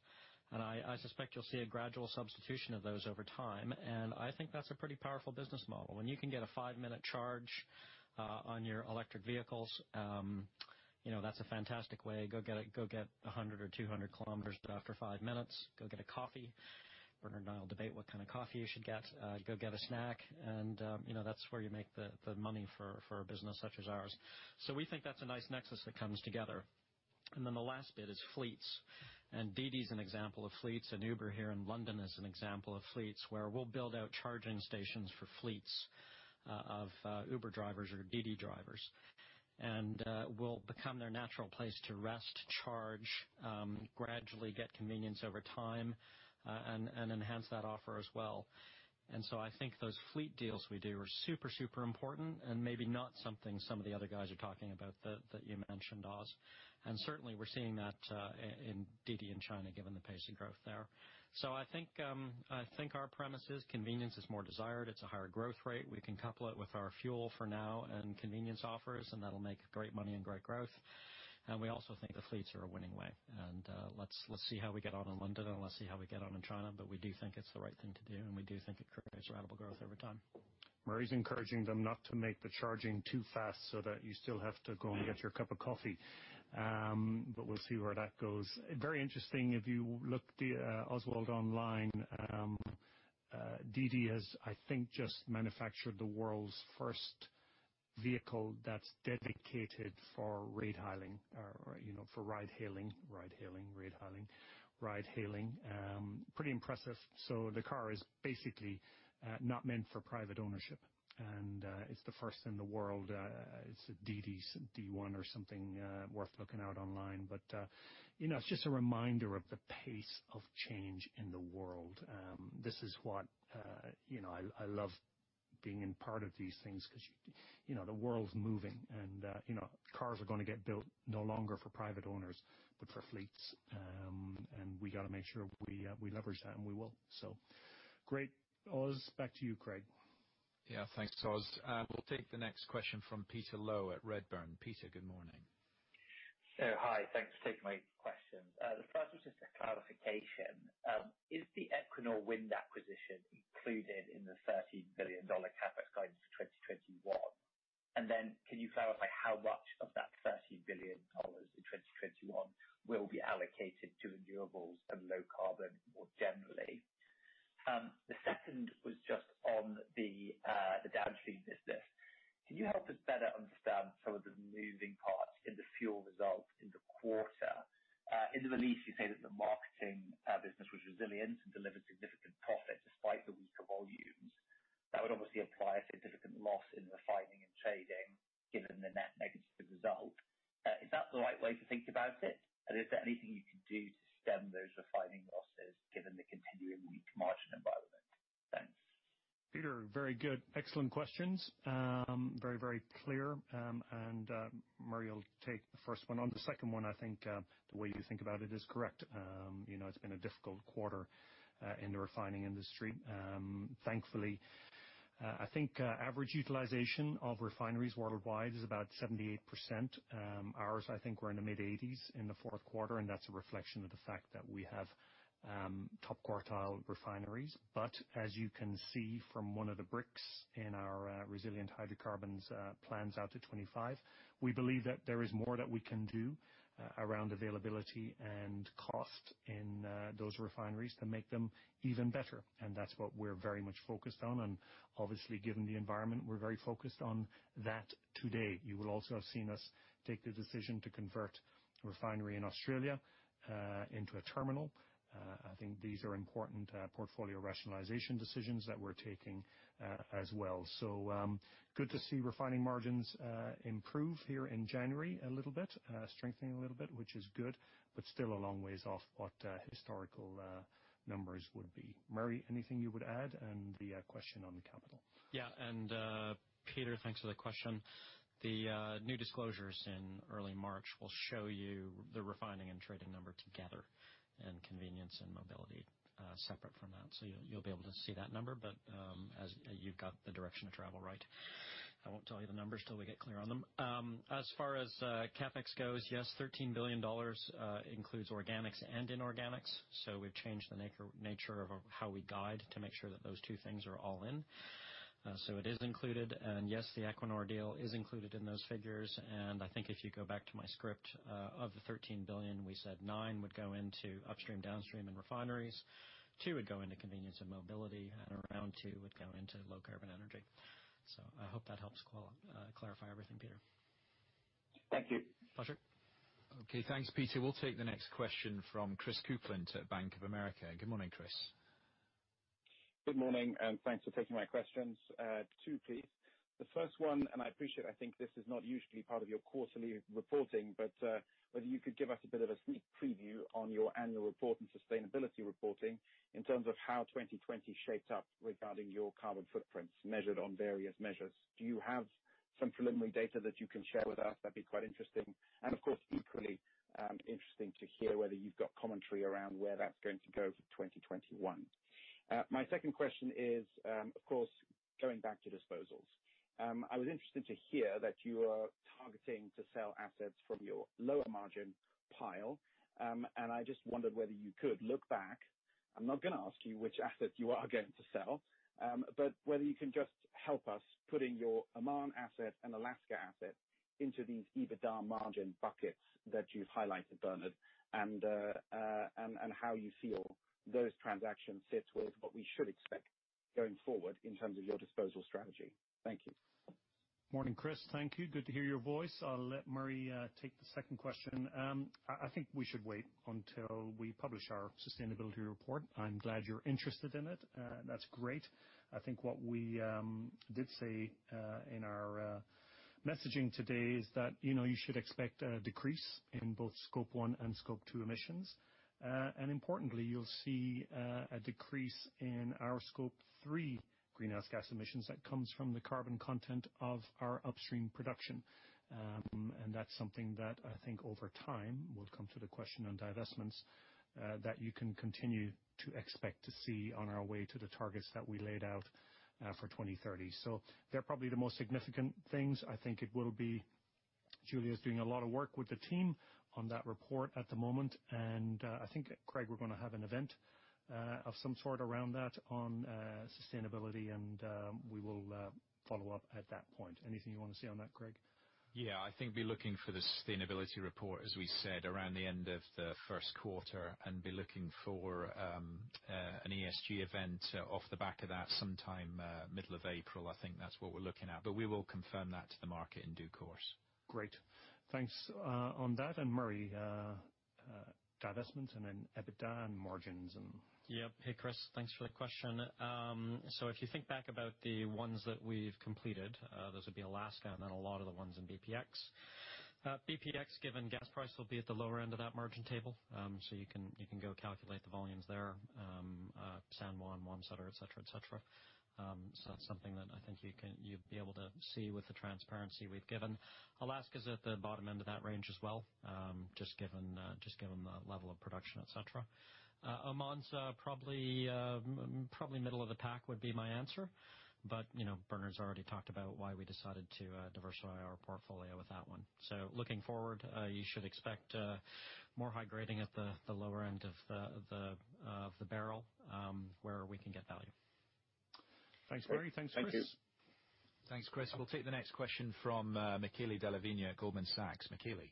[SPEAKER 4] I suspect you'll see a gradual substitution of those over time, and I think that's a pretty powerful business model. When you can get a five-minute charge on your electric vehicles, that's a fantastic way. Go get 100 km or 200 km after five minutes, go get a coffee. Bernard and I will debate what kind of coffee you should get. Go get a snack and that's where you make the money for a business such as ours. We think that's a nice nexus that comes together. The last bit is fleets. DiDi is an example of fleets, Uber here in London is an example of fleets, where we'll build out charging stations for fleets of Uber drivers or DiDi drivers. We'll become their natural place to rest, charge, gradually get convenience over time, and enhance that offer as well. I think those fleet deals we do are super important, and maybe not something some of the other guys are talking about that you mentioned, Os. Certainly we're seeing that in DiDi in China, given the pace of growth there. I think our premise is convenience is more desired. It's a higher growth rate. We can couple it with our fuel for now and convenience offers, and that'll make great money and great growth. We also think the fleets are a winning way. Let's see how we get on in London and let's see how we get on in China. We do think it's the right thing to do, and we do think it creates ratable growth over time.
[SPEAKER 3] Murray's encouraging them not to make the charging too fast so that you still have to go and get your cup of coffee. We'll see where that goes. Very interesting. If you look, Oswald, online, DiDi has, I think, just manufactured the world's first vehicle that's dedicated for ride-hailing. Pretty impressive. The car is basically not meant for private ownership, and it's the first in the world. It's a DiDi's D1 or something worth looking out online. It's just a reminder of the pace of change in the world. I love being in part of these things because the world's moving and cars are going to get built no longer for private owners, but for fleets. We got to make sure we leverage that and we will. Great, Os. Back to you, Craig.
[SPEAKER 2] Thanks, Os. We'll take the next question from Peter Low at Redburn. Peter, good morning.
[SPEAKER 14] Hi, thanks for taking my questions. The first was just a clarification. Is the Equinor wind acquisition included in the $13 billion CapEx guidance for 2021? Can you clarify how much of that $13 billion in 2021 will be allocated to renewables and low carbon more generally? The second was just on the Downstream business. Can you help us better understand some of the moving parts in the fuel results in the quarter? In the release, you say that the marketing business was resilient and delivered significant profit despite the weaker volumes. That would obviously imply a significant loss in refining and trading, given the net negative result. Is that the right way to think about it? Is there anything you can do to stem those refining losses given the continuing weak margin environment? Thanks.
[SPEAKER 3] Peter, very good. Excellent questions. Very clear. Murray will take the first one. On the second one, I think the way you think about it is correct. It's been a difficult quarter in the refining industry. Thankfully, I think average utilization of refineries worldwide is about 78%. Ours, I think, we're in the mid-80s in the fourth quarter, and that's a reflection of the fact that we have top quartile refineries. As you can see from one of the bricks in our resilient hydrocarbons plans out to 2025, we believe that there is more that we can do around availability and cost in those refineries to make them even better. That's what we're very much focused on. Obviously, given the environment, we're very focused on that today. You will also have seen us take the decision to convert refinery in Australia into a terminal. I think these are important portfolio rationalization decisions that we're taking as well. Good to see refining margins improve here in January a little bit, strengthening a little bit, which is good, but still a long ways off what historical numbers would be. Murray, anything you would add? The question on the capital.
[SPEAKER 4] Peter, thanks for the question. The new disclosures in early March will show you the refining and trading number together, and Convenience & Mobility separate from that. You'll be able to see that number, but you've got the direction of travel right. I won't tell you the numbers till we get clear on them. As far as CapEx goes, yes, $13 billion includes organics and inorganics. We've changed the nature of how we guide to make sure that those two things are all in. It is included. Yes, the Equinor deal is included in those figures. I think if you go back to my script, of the $13 billion, we said nine would go into Upstream, Downstream, and refineries, two would go into Convenience & Mobility, and around two would go into low carbon energy. I hope that helps clarify everything, Peter.
[SPEAKER 14] Thank you.
[SPEAKER 4] Pleasure.
[SPEAKER 2] Okay, thanks, Peter. We'll take the next question from Chris Kuplent at Bank of America. Good morning, Chris.
[SPEAKER 15] Good morning, thanks for taking my questions. Two please. The first one, I appreciate, I think this is not usually part of your quarterly reporting, but whether you could give us a bit of a sneak preview on your annual report and sustainability reporting in terms of how 2020 shaped up regarding your carbon footprints measured on various measures. Do you have some preliminary data that you can share with us? That'd be quite interesting. Of course, equally interesting to hear whether you've got commentary around where that's going to go for 2021. My second question is, of course, going back to disposals. I was interested to hear that you are targeting to sell assets from your lower margin pile. I just wondered whether you could look back. I'm not going to ask you which asset you are going to sell, but whether you can just help us put in your Oman asset and Alaska asset into these EBITDA margin buckets that you've highlighted, Bernard, and how you feel those transactions sit with what we should expect going forward in terms of your disposal strategy. Thank you.
[SPEAKER 3] Morning, Chris. Thank you. Good to hear your voice. I'll let Murray take the second question. I think we should wait until we publish our sustainability report. I'm glad you're interested in it. That's great. I think what we did say in our messaging today is that you should expect a decrease in both Scope 1 and Scope 2 emissions. Importantly, you'll see a decrease in our Scope 3 greenhouse gas emissions that comes from the carbon content of our Upstream production. That's something that I think over time, we'll come to the question on divestments, that you can continue to expect to see on our way to the targets that we laid out for 2030. They're probably the most significant things. I think it will be, Giulia is doing a lot of work with the team on that report at the moment. I think, Craig, we're going to have an event of some sort around that on sustainability, and we will follow up at that point. Anything you want to say on that, Craig?
[SPEAKER 2] I think be looking for the sustainability report, as we said, around the end of the first quarter, and be looking for an ESG event off the back of that sometime middle of April. I think that's what we're looking at. We will confirm that to the market in due course.
[SPEAKER 3] Great. Thanks on that. Murray, divestment and then EBITDA and margins.
[SPEAKER 4] Yep. Hey, Chris. Thanks for the question. If you think back about the ones that we've completed, those would be Alaska and then a lot of the ones in BPX. BPX, given gas price, will be at the lower end of that margin table. You can go calculate the volumes there. San Juan, et cetera. That's something that I think you'd be able to see with the transparency we've given. Alaska's at the bottom end of that range as well, just given the level of production, et cetera. Oman's probably middle of the pack would be my answer. Bernard's already talked about why we decided to diversify our portfolio with that one. Looking forward, you should expect more high grading at the lower end of the barrel, where we can get value.
[SPEAKER 3] Thanks, Murray. Thanks, Chris.
[SPEAKER 2] Thanks, Chris. We'll take the next question from Michele Della Vigna at Goldman Sachs. Michele.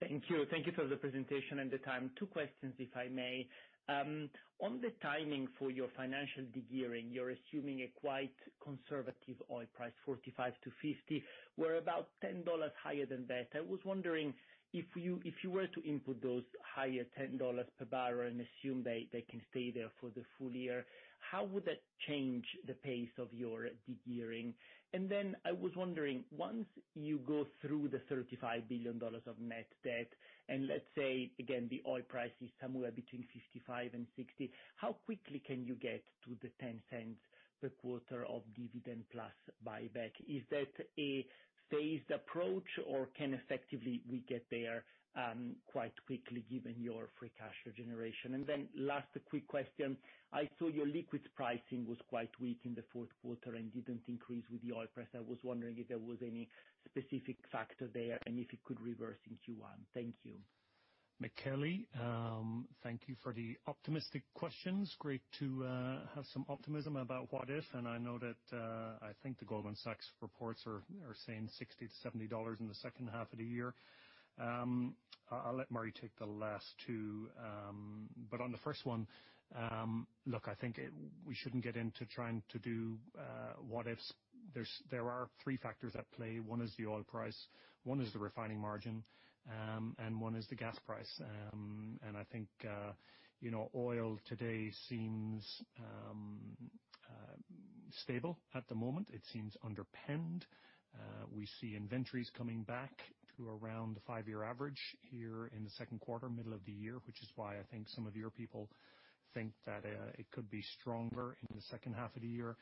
[SPEAKER 16] Thank you. Thank you for the presentation and the time. Two questions, if I may. On the timing for your financial de-gearing, you're assuming a quite conservative oil price, $45-$50. We're about $10 higher than that. I was wondering if you were to input those higher $10 per barrel and assume they can stay there for the full year, how would that change the pace of your de-gearing? I was wondering, once you go through the $35 billion of net debt, and let's say again, the oil price is somewhere between $55-$60, how quickly can you get to the $0.10 per quarter of dividend plus buyback? Is that a phased approach or can effectively we get there quite quickly given your free cash generation? Last quick question. I saw your liquids pricing was quite weak in the fourth quarter and didn't increase with the oil price. I was wondering if there was any specific factor there and if it could reverse in Q1. Thank you.
[SPEAKER 3] Michele, thank you for the optimistic questions. Great to have some optimism about what if. I know that I think the Goldman Sachs reports are saying $60 to $70 in the second half of the year. I'll let Murray take the last two. On the first one, look, I think we shouldn't get into trying to do what ifs. There are three factors at play. One is the oil price, one is the refining margin, and one is the gas price. I think oil today seems stable at the moment. It seems underpinned. We see inventories coming back to around the five-year average here in the second quarter, middle of the year, which is why I think some of your people think that it could be stronger in the second half of the year.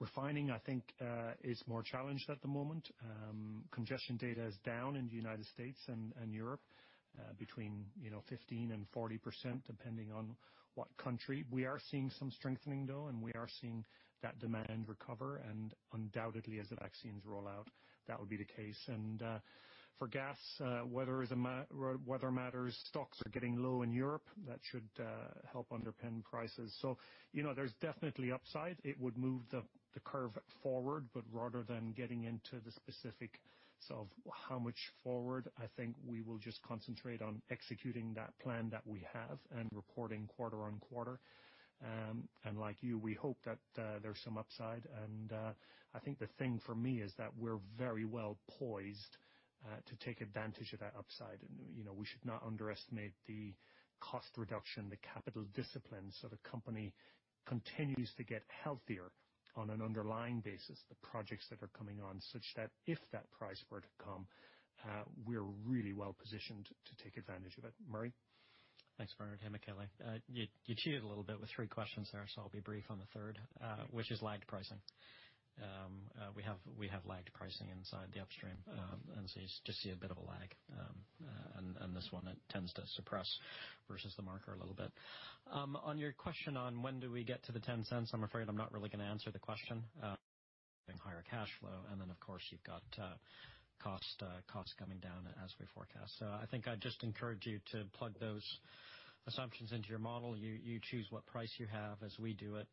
[SPEAKER 3] Refining, I think, is more challenged at the moment. Congestion data is down in the U.S. and Europe between 15% and 40%, depending on what country. We are seeing some strengthening, though, and we are seeing that demand recover, and undoubtedly as the vaccines roll out, that would be the case. For gas, weather matters. Stocks are getting low in Europe. That should help underpin prices. There's definitely upside. It would move the curve forward, but rather than getting into the specifics of how much forward, I think we will just concentrate on executing that plan that we have and reporting quarter on quarter. Like you, we hope that there's some upside. I think the thing for me is that we're very well poised to take advantage of that upside. We should not underestimate the cost reduction, the capital discipline. The company continues to get healthier on an underlying basis, the projects that are coming on, such that if that price were to come, we're really well positioned to take advantage of it. Murray?
[SPEAKER 4] Thanks, Bernard. Hey, Michele. You cheated a little bit with three questions there, so I'll be brief on the third, which is lagged pricing. We have lagged pricing inside the Upstream, and so you just see a bit of a lag. This one tends to suppress versus the marker a little bit. On your question on when do we get to the $0.10, I'm afraid I'm not really going to answer the question. Having higher cash flow, and then of course you've got cost coming down as we forecast. I think I'd just encourage you to plug those assumptions into your model. You choose what price you have as we do it.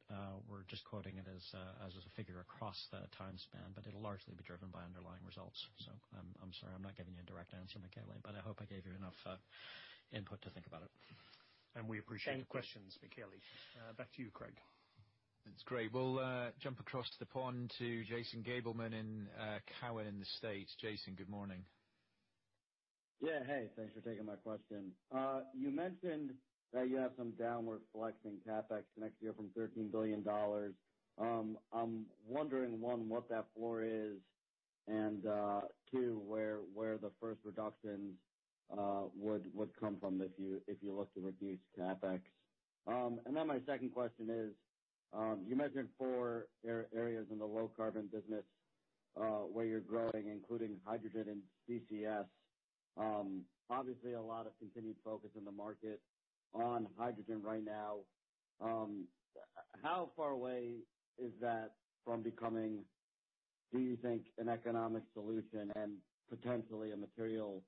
[SPEAKER 4] We're just quoting it as a figure across the time span, but it'll largely be driven by underlying results. I'm sorry I'm not giving you a direct answer, Michele, but I hope I gave you enough input to think about it.
[SPEAKER 3] We appreciate the questions, Michele. Back to you, Craig.
[SPEAKER 2] That's great. We'll jump across the pond to Jason Gabelman in Cowen in the States. Jason, good morning.
[SPEAKER 17] Yeah, hey. Thanks for taking my question. You mentioned that you have some downward flexing CapEx next year from $13 billion. I'm wondering, one, what that floor is, and two, where the first reductions would come from if you look to reduce CapEx. My second question is, you mentioned four areas in the low-carbon business where you're growing, including hydrogen and CCS. Obviously, a lot of continued focus in the market on hydrogen right now. How far away is that from becoming, do you think, an economic solution and potentially a material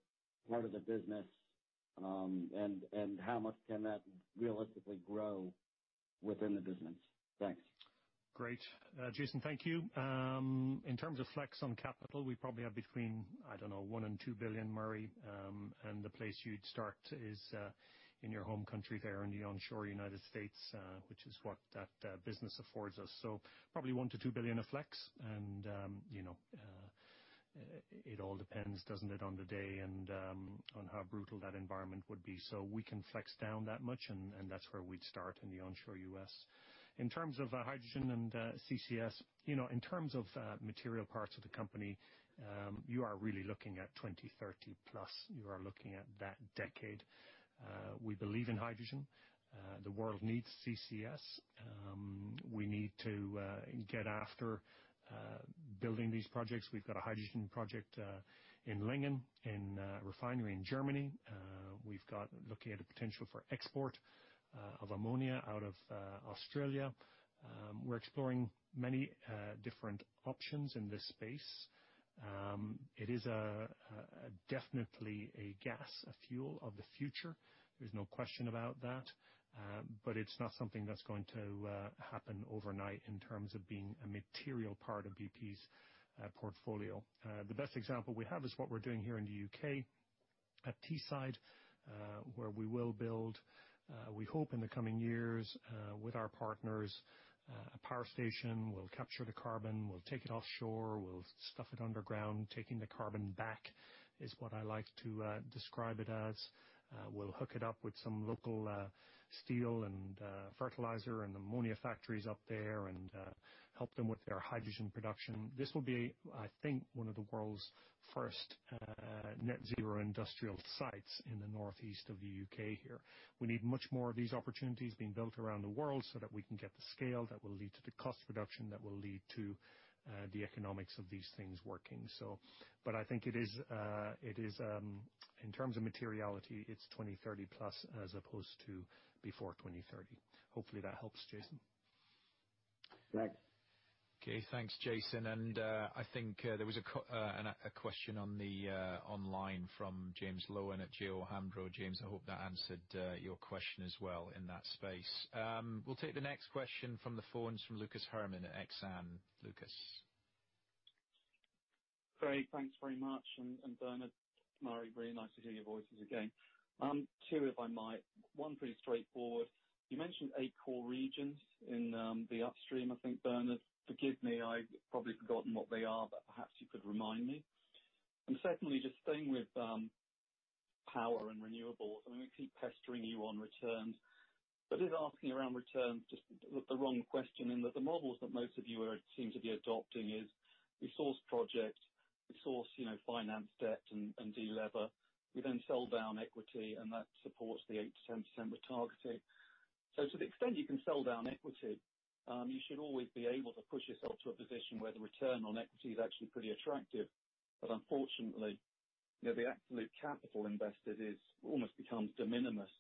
[SPEAKER 17] part of the business? How much can that realistically grow within the business? Thanks.
[SPEAKER 3] Great. Jason, thank you. In terms of flex on capital, we probably have between, I don't know, $1 billion and $2 billion, Murray. The place you'd start is in your home country there in the onshore United States, which is what that business affords us. Probably $1 billion to $2 billion of flex and it all depends, doesn't it, on the day and on how brutal that environment would be. We can flex down that much, and that's where we'd start in the onshore U.S. In terms of hydrogen and CCS, in terms of material parts of the company, you are really looking at 2030 plus. You are looking at that decade. We believe in hydrogen. The world needs CCS. We need to get after building these projects. We've got a hydrogen project in Lingen, in a refinery in Germany. We're looking at a potential for export of ammonia out of Australia. We're exploring many different options in this space. It is definitely a gas, a fuel of the future. There's no question about that. But it's not something that's going to happen overnight in terms of being a material part of BP's portfolio. The best example we have is what we're doing here in the U.K. at Teesside, where we will build, we hope in the coming years, with our partners, a power station. We'll capture the carbon, we'll take it offshore, we'll stuff it underground. Taking the carbon back is what I like to describe it as. We'll hook it up with some local steel and fertilizer and ammonia factories up there and help them with their hydrogen production. This will be, I think, one of the world's first net-zero industrial sites in the northeast of the U.K. here. We need much more of these opportunities being built around the world so that we can get the scale that will lead to the cost reduction, that will lead to the economics of these things working. I think in terms of materiality, it's 2030 plus as opposed to before 2030. Hopefully that helps, Jason.
[SPEAKER 17] Right.
[SPEAKER 2] Okay, thanks, Jason. I think there was a question online from James Lowen at J O Hambro. James, I hope that answered your question as well in that space. We'll take the next question from the phones from Lucas Herrmann at Exane. Lucas.
[SPEAKER 18] Great. Thanks very much. Bernard, Murray, very nice to hear your voices again. Two, if I might. One pretty straightforward. You mentioned eight core regions in the Upstream, I think, Bernard. Forgive me, I've probably forgotten what they are, but perhaps you could remind me. Secondly, just staying with power and renewables. I mean, we keep pestering you on returns, but is asking around returns just the wrong question in that the models that most of you seem to be adopting is you source projects, you source finance debt and delever, you then sell down equity, and that supports the 8%-10% we're targeting. To the extent you can sell down equity, you should always be able to push yourself to a position where the return on equity is actually pretty attractive. Unfortunately, the absolute capital invested almost becomes de minimis.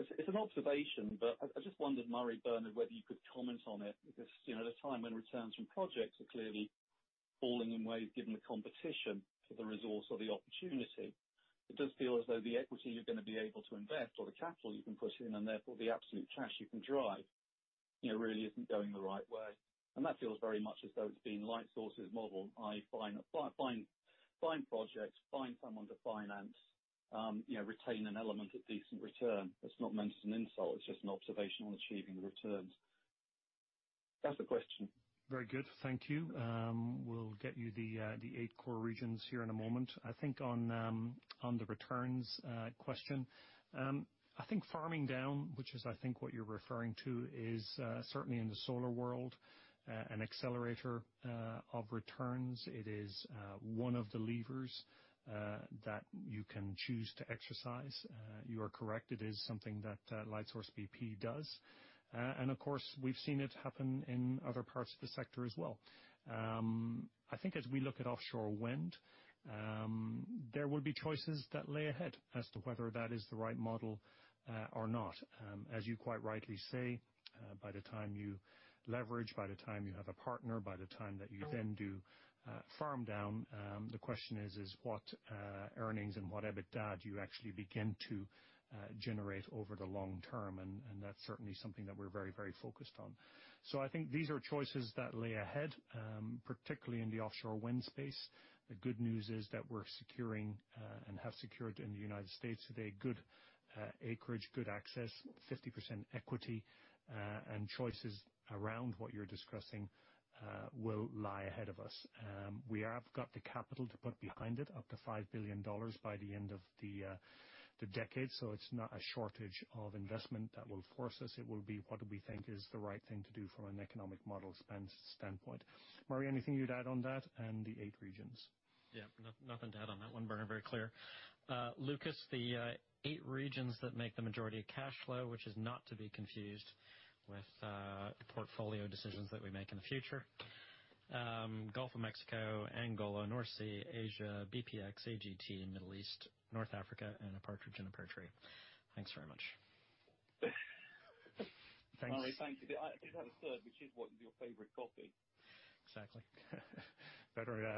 [SPEAKER 18] It's an observation, but I just wondered, Murray, Bernard, whether you could comment on it, because at a time when returns from projects are clearly falling in waves, given the competition for the resource or the opportunity, it does feel as though the equity you're going to be able to invest or the capital you can push in and therefore the absolute cash you can drive really isn't going the right way. That feels very much as though it's being Lightsource's model. I find projects, find someone to finance, retain an element of decent return. That's not meant as an insult. It's just an observation on achieving returns. That's the question.
[SPEAKER 3] Very good. Thank you. We'll get you the eight core regions here in a moment. I think on the returns question, I think farming down, which is I think what you're referring to, is certainly in the solar world, an accelerator of returns. It is one of the levers that you can choose to exercise. You are correct. It is something that Lightsource bp does. Of course, we've seen it happen in other parts of the sector as well. I think as we look at offshore wind, there will be choices that lay ahead as to whether that is the right model or not. As you quite rightly say, by the time you leverage, by the time you have a partner, by the time that you then do farm down, the question is what earnings and what EBITDA do you actually begin to generate over the long term? That's certainly something that we're very focused on. I think these are choices that lay ahead, particularly in the offshore wind space. The good news is that we're securing, and have secured in the United States today, good acreage, good access, 50% equity, and choices around what you're discussing will lie ahead of us. We have got the capital to put behind it, up to $5 billion by the end of the decade. It's not a shortage of investment that will force us. It will be what we think is the right thing to do from an economic model standpoint. Murray, anything you'd add on that and the eight regions?
[SPEAKER 4] Yeah. Nothing to add on that one, Bernard. Very clear. Lucas, the eight regions that make the majority of cash flow, which is not to be confused with portfolio decisions that we make in the future. Gulf of Mexico, Angola, North Sea, Asia, BPX, AGT, Middle East, North Africa, and a partridge in a pear tree. Thanks very much.
[SPEAKER 18] Thanks.
[SPEAKER 3] Murray, thank you. I did have a third, which is what is your favorite coffee?
[SPEAKER 4] Exactly.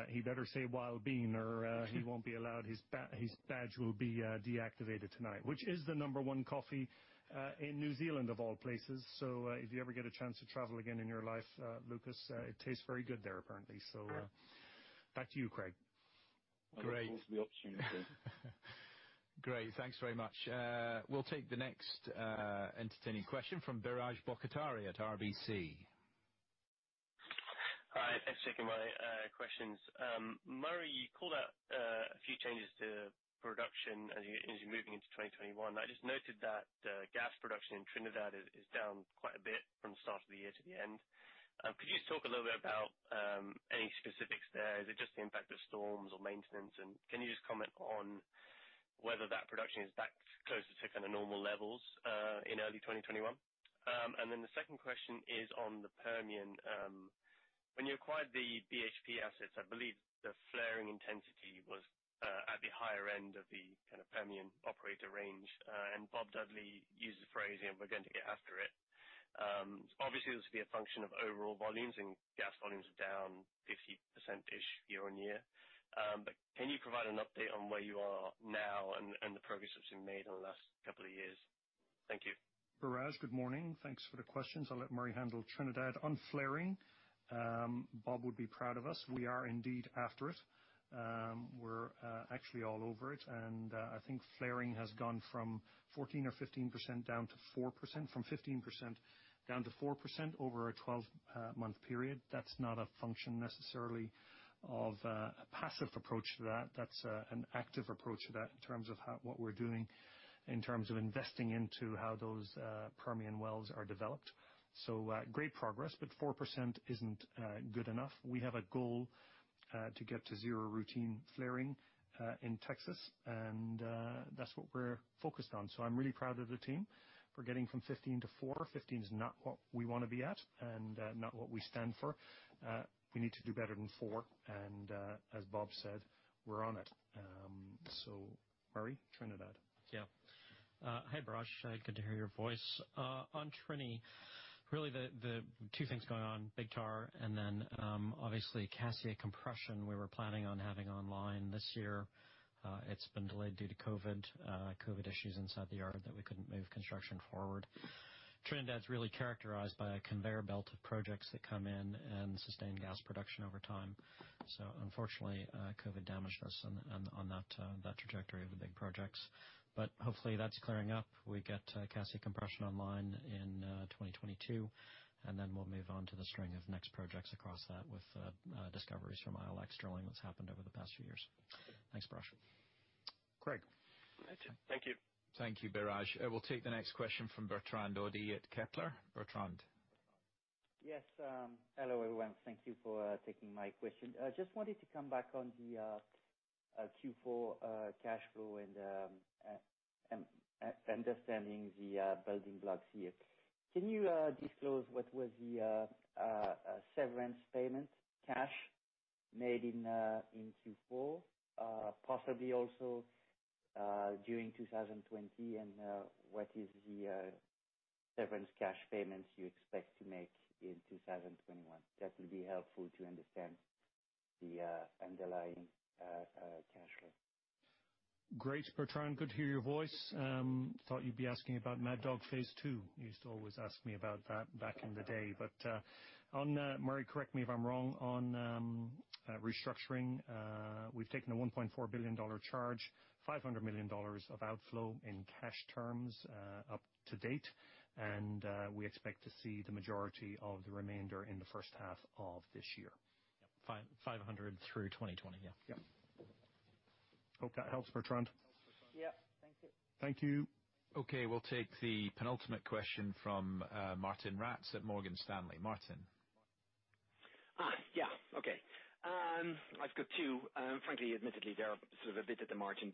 [SPEAKER 3] He better say Wild Bean or he won't be allowed. His badge will be deactivated tonight. Which is the number one coffee in New Zealand, of all places. If you ever get a chance to travel again in your life, Lucas, it tastes very good there apparently. Back to you, Craig.
[SPEAKER 2] Great.
[SPEAKER 18] I look forward to the opportunity.
[SPEAKER 2] Great. Thanks very much. We'll take the next entertaining question from Biraj Borkhataria at RBC.
[SPEAKER 19] Hi. Thanks for taking my questions. Murray, you called out a few changes to production as you're moving into 2021. I just noted that gas production in Trinidad is down quite a bit from the start of the year to the end. Could you just talk a little bit about any specifics there? Is it just the impact of storms or maintenance? Can you just comment on whether that production is back close to normal levels in early 2021? The second question is on the Permian. When you acquired the BHP assets, I believe the flaring intensity was at the higher end of the Permian operator range. Bob Dudley used the phrase, "We're going to get after it." Obviously, it was to be a function of overall volumes, and gas volumes are down 50%-ish year-on-year. Can you provide an update on where you are now and the progress that you've made in the last couple of years? Thank you.
[SPEAKER 3] Biraj, good morning. Thanks for the questions. I'll let Murray handle Trinidad. On flaring, Bob would be proud of us. We are indeed after it. We're actually all over it, and I think flaring has gone from 14% or 15% down to 4%, from 15% down to 4% over a 12-month period. That's not a function necessarily of a passive approach to that. That's an active approach to that in terms of what we're doing in terms of investing into how those Permian wells are developed. Great progress, but 4% isn't good enough. We have a goal to get to zero routine flaring in Texas, and that's what we're focused on. I'm really proud of the team for getting from 15% to 4%. 15% is not what we want to be at and not what we stand for. We need to do better than four, and as Bob said, we're on it. Murray, Trinidad.
[SPEAKER 4] Yeah. Hi, Biraj. Good to hear your voice. On Trini, really the two things going on, Big TAR and then obviously Cassia Compression, we were planning on having online this year. It's been delayed due to COVID issues inside the yard that we couldn't move construction forward. Trinidad is really characterized by a conveyor belt of projects that come in and sustain gas production over time. Unfortunately, COVID damaged us on that trajectory of the big projects. Hopefully that's clearing up. We get Cassia Compression online in 2022, and then we'll move on to the string of next projects across that with discoveries from ILX drilling that's happened over the past few years. Thanks, Biraj.
[SPEAKER 3] Craig.
[SPEAKER 19] Thank you.
[SPEAKER 2] Thank you, Biraj. We'll take the next question from Bertrand Hodee at Kepler. Bertrand.
[SPEAKER 20] Yes. Hello, everyone. Thank you for taking my question. Just wanted to come back on the Q4 cash flow and understanding the building blocks here. Can you disclose what was the severance payment cash made in Q4, possibly also during 2020? What is the severance cash payments you expect to make in 2021? That will be helpful to understand the underlying cash flow.
[SPEAKER 3] Great, Bertrand. Good to hear your voice. Thought you'd be asking about Mad Dog Phase 2. You used to always ask me about that back in the day. Murray, correct me if I'm wrong, on restructuring, we've taken a $1.4 billion charge, $500 million of outflow in cash terms up to date, and we expect to see the majority of the remainder in the first half of this year.
[SPEAKER 4] Yep. $500 million through 2020, yeah.
[SPEAKER 3] Yep. Hope that helps, Bertrand.
[SPEAKER 20] Yeah. Thank you.
[SPEAKER 3] Thank you.
[SPEAKER 2] Okay, we'll take the penultimate question from Martijn Rats at Morgan Stanley. Martijn.
[SPEAKER 21] Okay. I've got two. Frankly, admittedly, they are sort of a bit at the margin.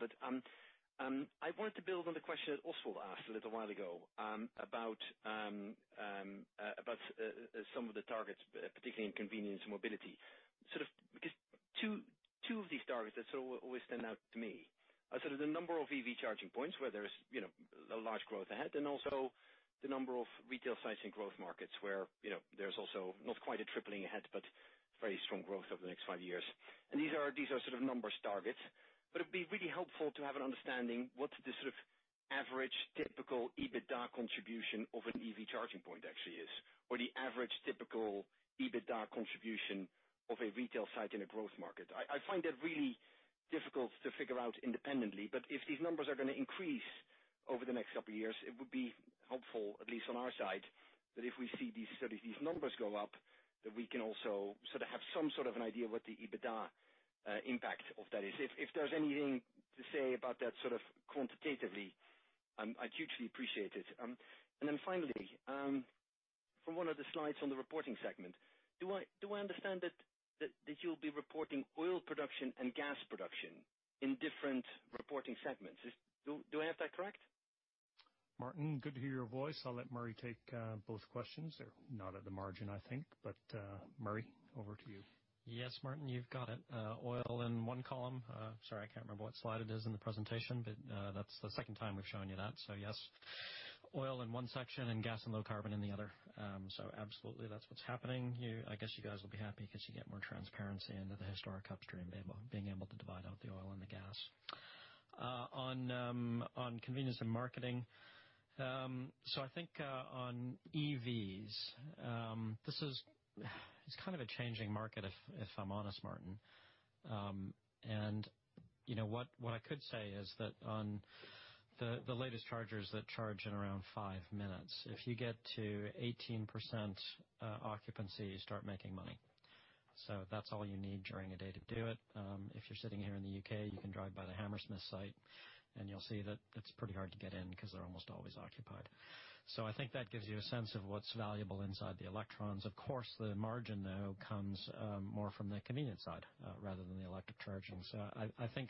[SPEAKER 21] I wanted to build on the question Oswald asked a little while ago, about some of the targets, particularly in Convenience & Mobility. Two of these targets that always stand out to me are the number of EV charging points where there's a large growth ahead, and also the number of retail sites in growth markets where there's also not quite a tripling ahead, but very strong growth over the next five years. These are numbers targets, but it would be really helpful to have an understanding, what the average typical EBITDA contribution of an EV charging point actually is, or the average typical EBITDA contribution of a retail site in a growth market. I find it really difficult to figure out independently, but if these numbers are going to increase over the next couple of years, it would be helpful, at least on our side, that if we see these numbers go up, that we can also have some sort of an idea what the EBITDA impact of that is. If there's anything to say about that quantitatively, I'd hugely appreciate it. Finally, from one of the slides on the reporting segment, do I understand that you'll be reporting oil production and gas production in different reporting segments? Do I have that correct?
[SPEAKER 3] Martijn, good to hear your voice. I'll let Murray take both questions. They're not at the margin, I think. Murray, over to you.
[SPEAKER 4] Yes, Martijn, you've got it. Oil in one column. Sorry, I can't remember what slide it is in the presentation, but that's the second time we've shown you that. Yes, oil in one section and gas and low carbon in the other. Absolutely, that's what's happening. I guess you guys will be happy because you get more transparency into the historic Upstream, being able to divide out the oil and the gas. On convenience and marketing. I think on EVs, it's kind of a changing market, if I'm honest, Martijn. What I could say is that on the latest chargers that charge in around five minutes, if you get to 18% occupancy, you start making money. That's all you need during a day to do it. If you're sitting here in the U.K., you can drive by the Hammersmith site, and you'll see that it's pretty hard to get in because they're almost always occupied. I think that gives you a sense of what's valuable inside the electrons. Of course, the margin though comes more from the Convenience side, rather than the electric charging. I think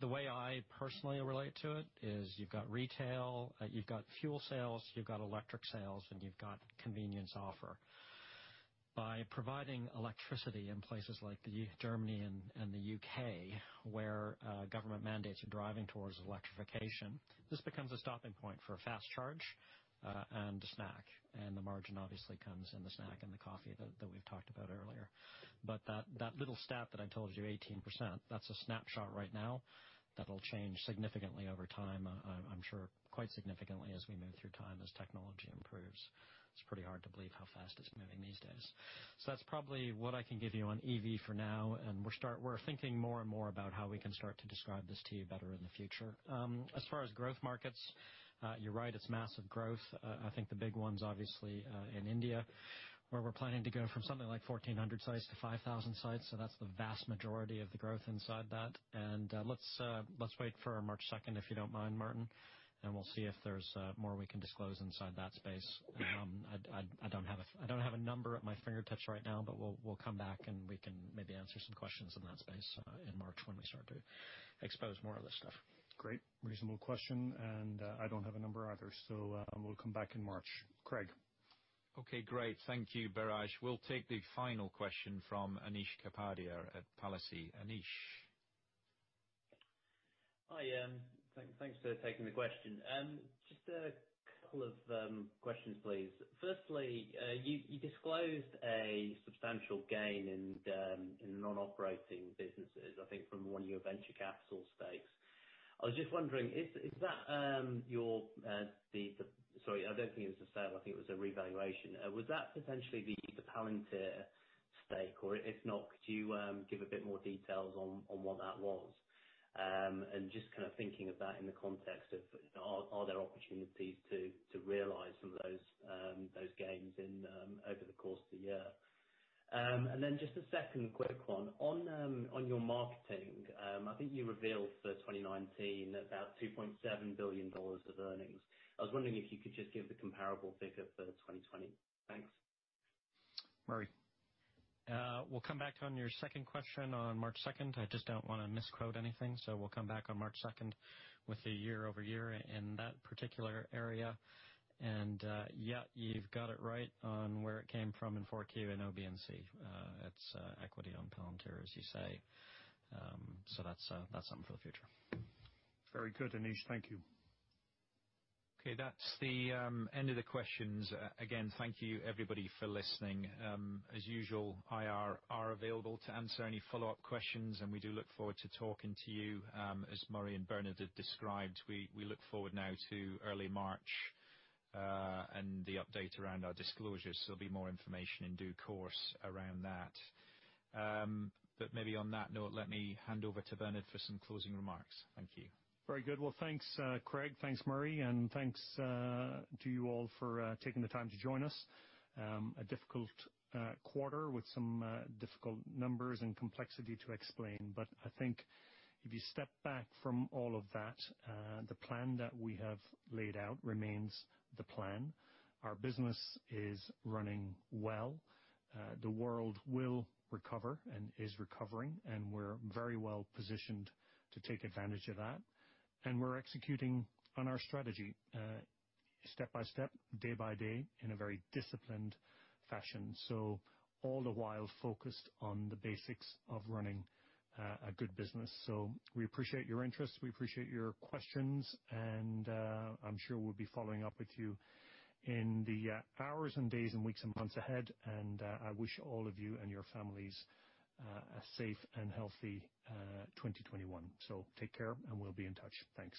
[SPEAKER 4] the way I personally relate to it is you've got retail, you've got fuel sales, you've got electric sales, and you've got convenience offer. By providing electricity in places like Germany and the U.K., where government mandates are driving toward electrification, this becomes a stopping point for a fast charge, and a snack. The margin obviously comes in the snack and the coffee that we've talked about earlier. That little stat that I told you, 18%, that's a snapshot right now. That'll change significantly over time, I'm sure quite significantly as we move through time, as technology improves. It's pretty hard to believe how fast it's moving these days. That's probably what I can give you on EV for now, and we're thinking more and more about how we can start to describe this to you better in the future. As far as growth markets, you're right, it's massive growth. I think the big ones obviously in India, where we're planning to go from something like 1,400 sites to 5,000 sites, so that's the vast majority of the growth inside that. Let's wait for March 2nd, if you don't mind, Martijn, and we'll see if there's more we can disclose inside that space. I don't have a number at my fingertips right now, but we'll come back, and we can maybe answer some questions in that space in March when we start to expose more of this stuff.
[SPEAKER 3] Great. Reasonable question, and I don't have a number either. We'll come back in March. Craig?
[SPEAKER 2] Okay. Great. Thank you, Biraj. We'll take the final question from Anish Kapadia at Palissy. Anish?
[SPEAKER 22] Hi. Thanks for taking the question. Just a couple of questions, please. Firstly, you disclosed a substantial gain in non-operating businesses, I think from one of your venture capital stakes. I was just wondering, I don't think it was a sale, I think it was a revaluation. Was that potentially the Palantir stake? If not, could you give a bit more details on what that was? Just kind of thinking about in the context of are there opportunities to realize some of those gains over the course of the year? Just a second quick one. On your marketing, I think you revealed for 2019 about GBP 2.7 billion of earnings. I was wondering if you could just give the comparable figure for 2020. Thanks.
[SPEAKER 3] Murray.
[SPEAKER 4] We'll come back on your second question on March 2nd. I just don't want to misquote anything, so we'll come back on March 2nd with a year-over-year in that particular area. Yeah, you've got it right on where it came from in 4Q and OB&C. It's equity on Palantir, as you say. That's something for the future.
[SPEAKER 3] Very good, Anish. Thank you.
[SPEAKER 2] Okay. That's the end of the questions. Again, thank you everybody for listening. As usual, IR are available to answer any follow-up questions, and we do look forward to talking to you. As Murray and Bernard have described, we look forward now to early March, and the update around our disclosures. There'll be more information in due course around that. Maybe on that note, let me hand over to Bernard for some closing remarks. Thank you.
[SPEAKER 3] Very good. Well, thanks, Craig, thanks, Murray, thanks to you all for taking the time to join us. A difficult quarter with some difficult numbers and complexity to explain. I think if you step back from all of that, the plan that we have laid out remains the plan. Our business is running well. The world will recover and is recovering, we're very well positioned to take advantage of that. We're executing on our strategy step by step, day by day, in a very disciplined fashion. All the while focused on the basics of running a good business. We appreciate your interest, we appreciate your questions, I'm sure we'll be following up with you in the hours and days and weeks and months ahead. I wish all of you and your families a safe and healthy 2021. Take care, and we'll be in touch. Thanks.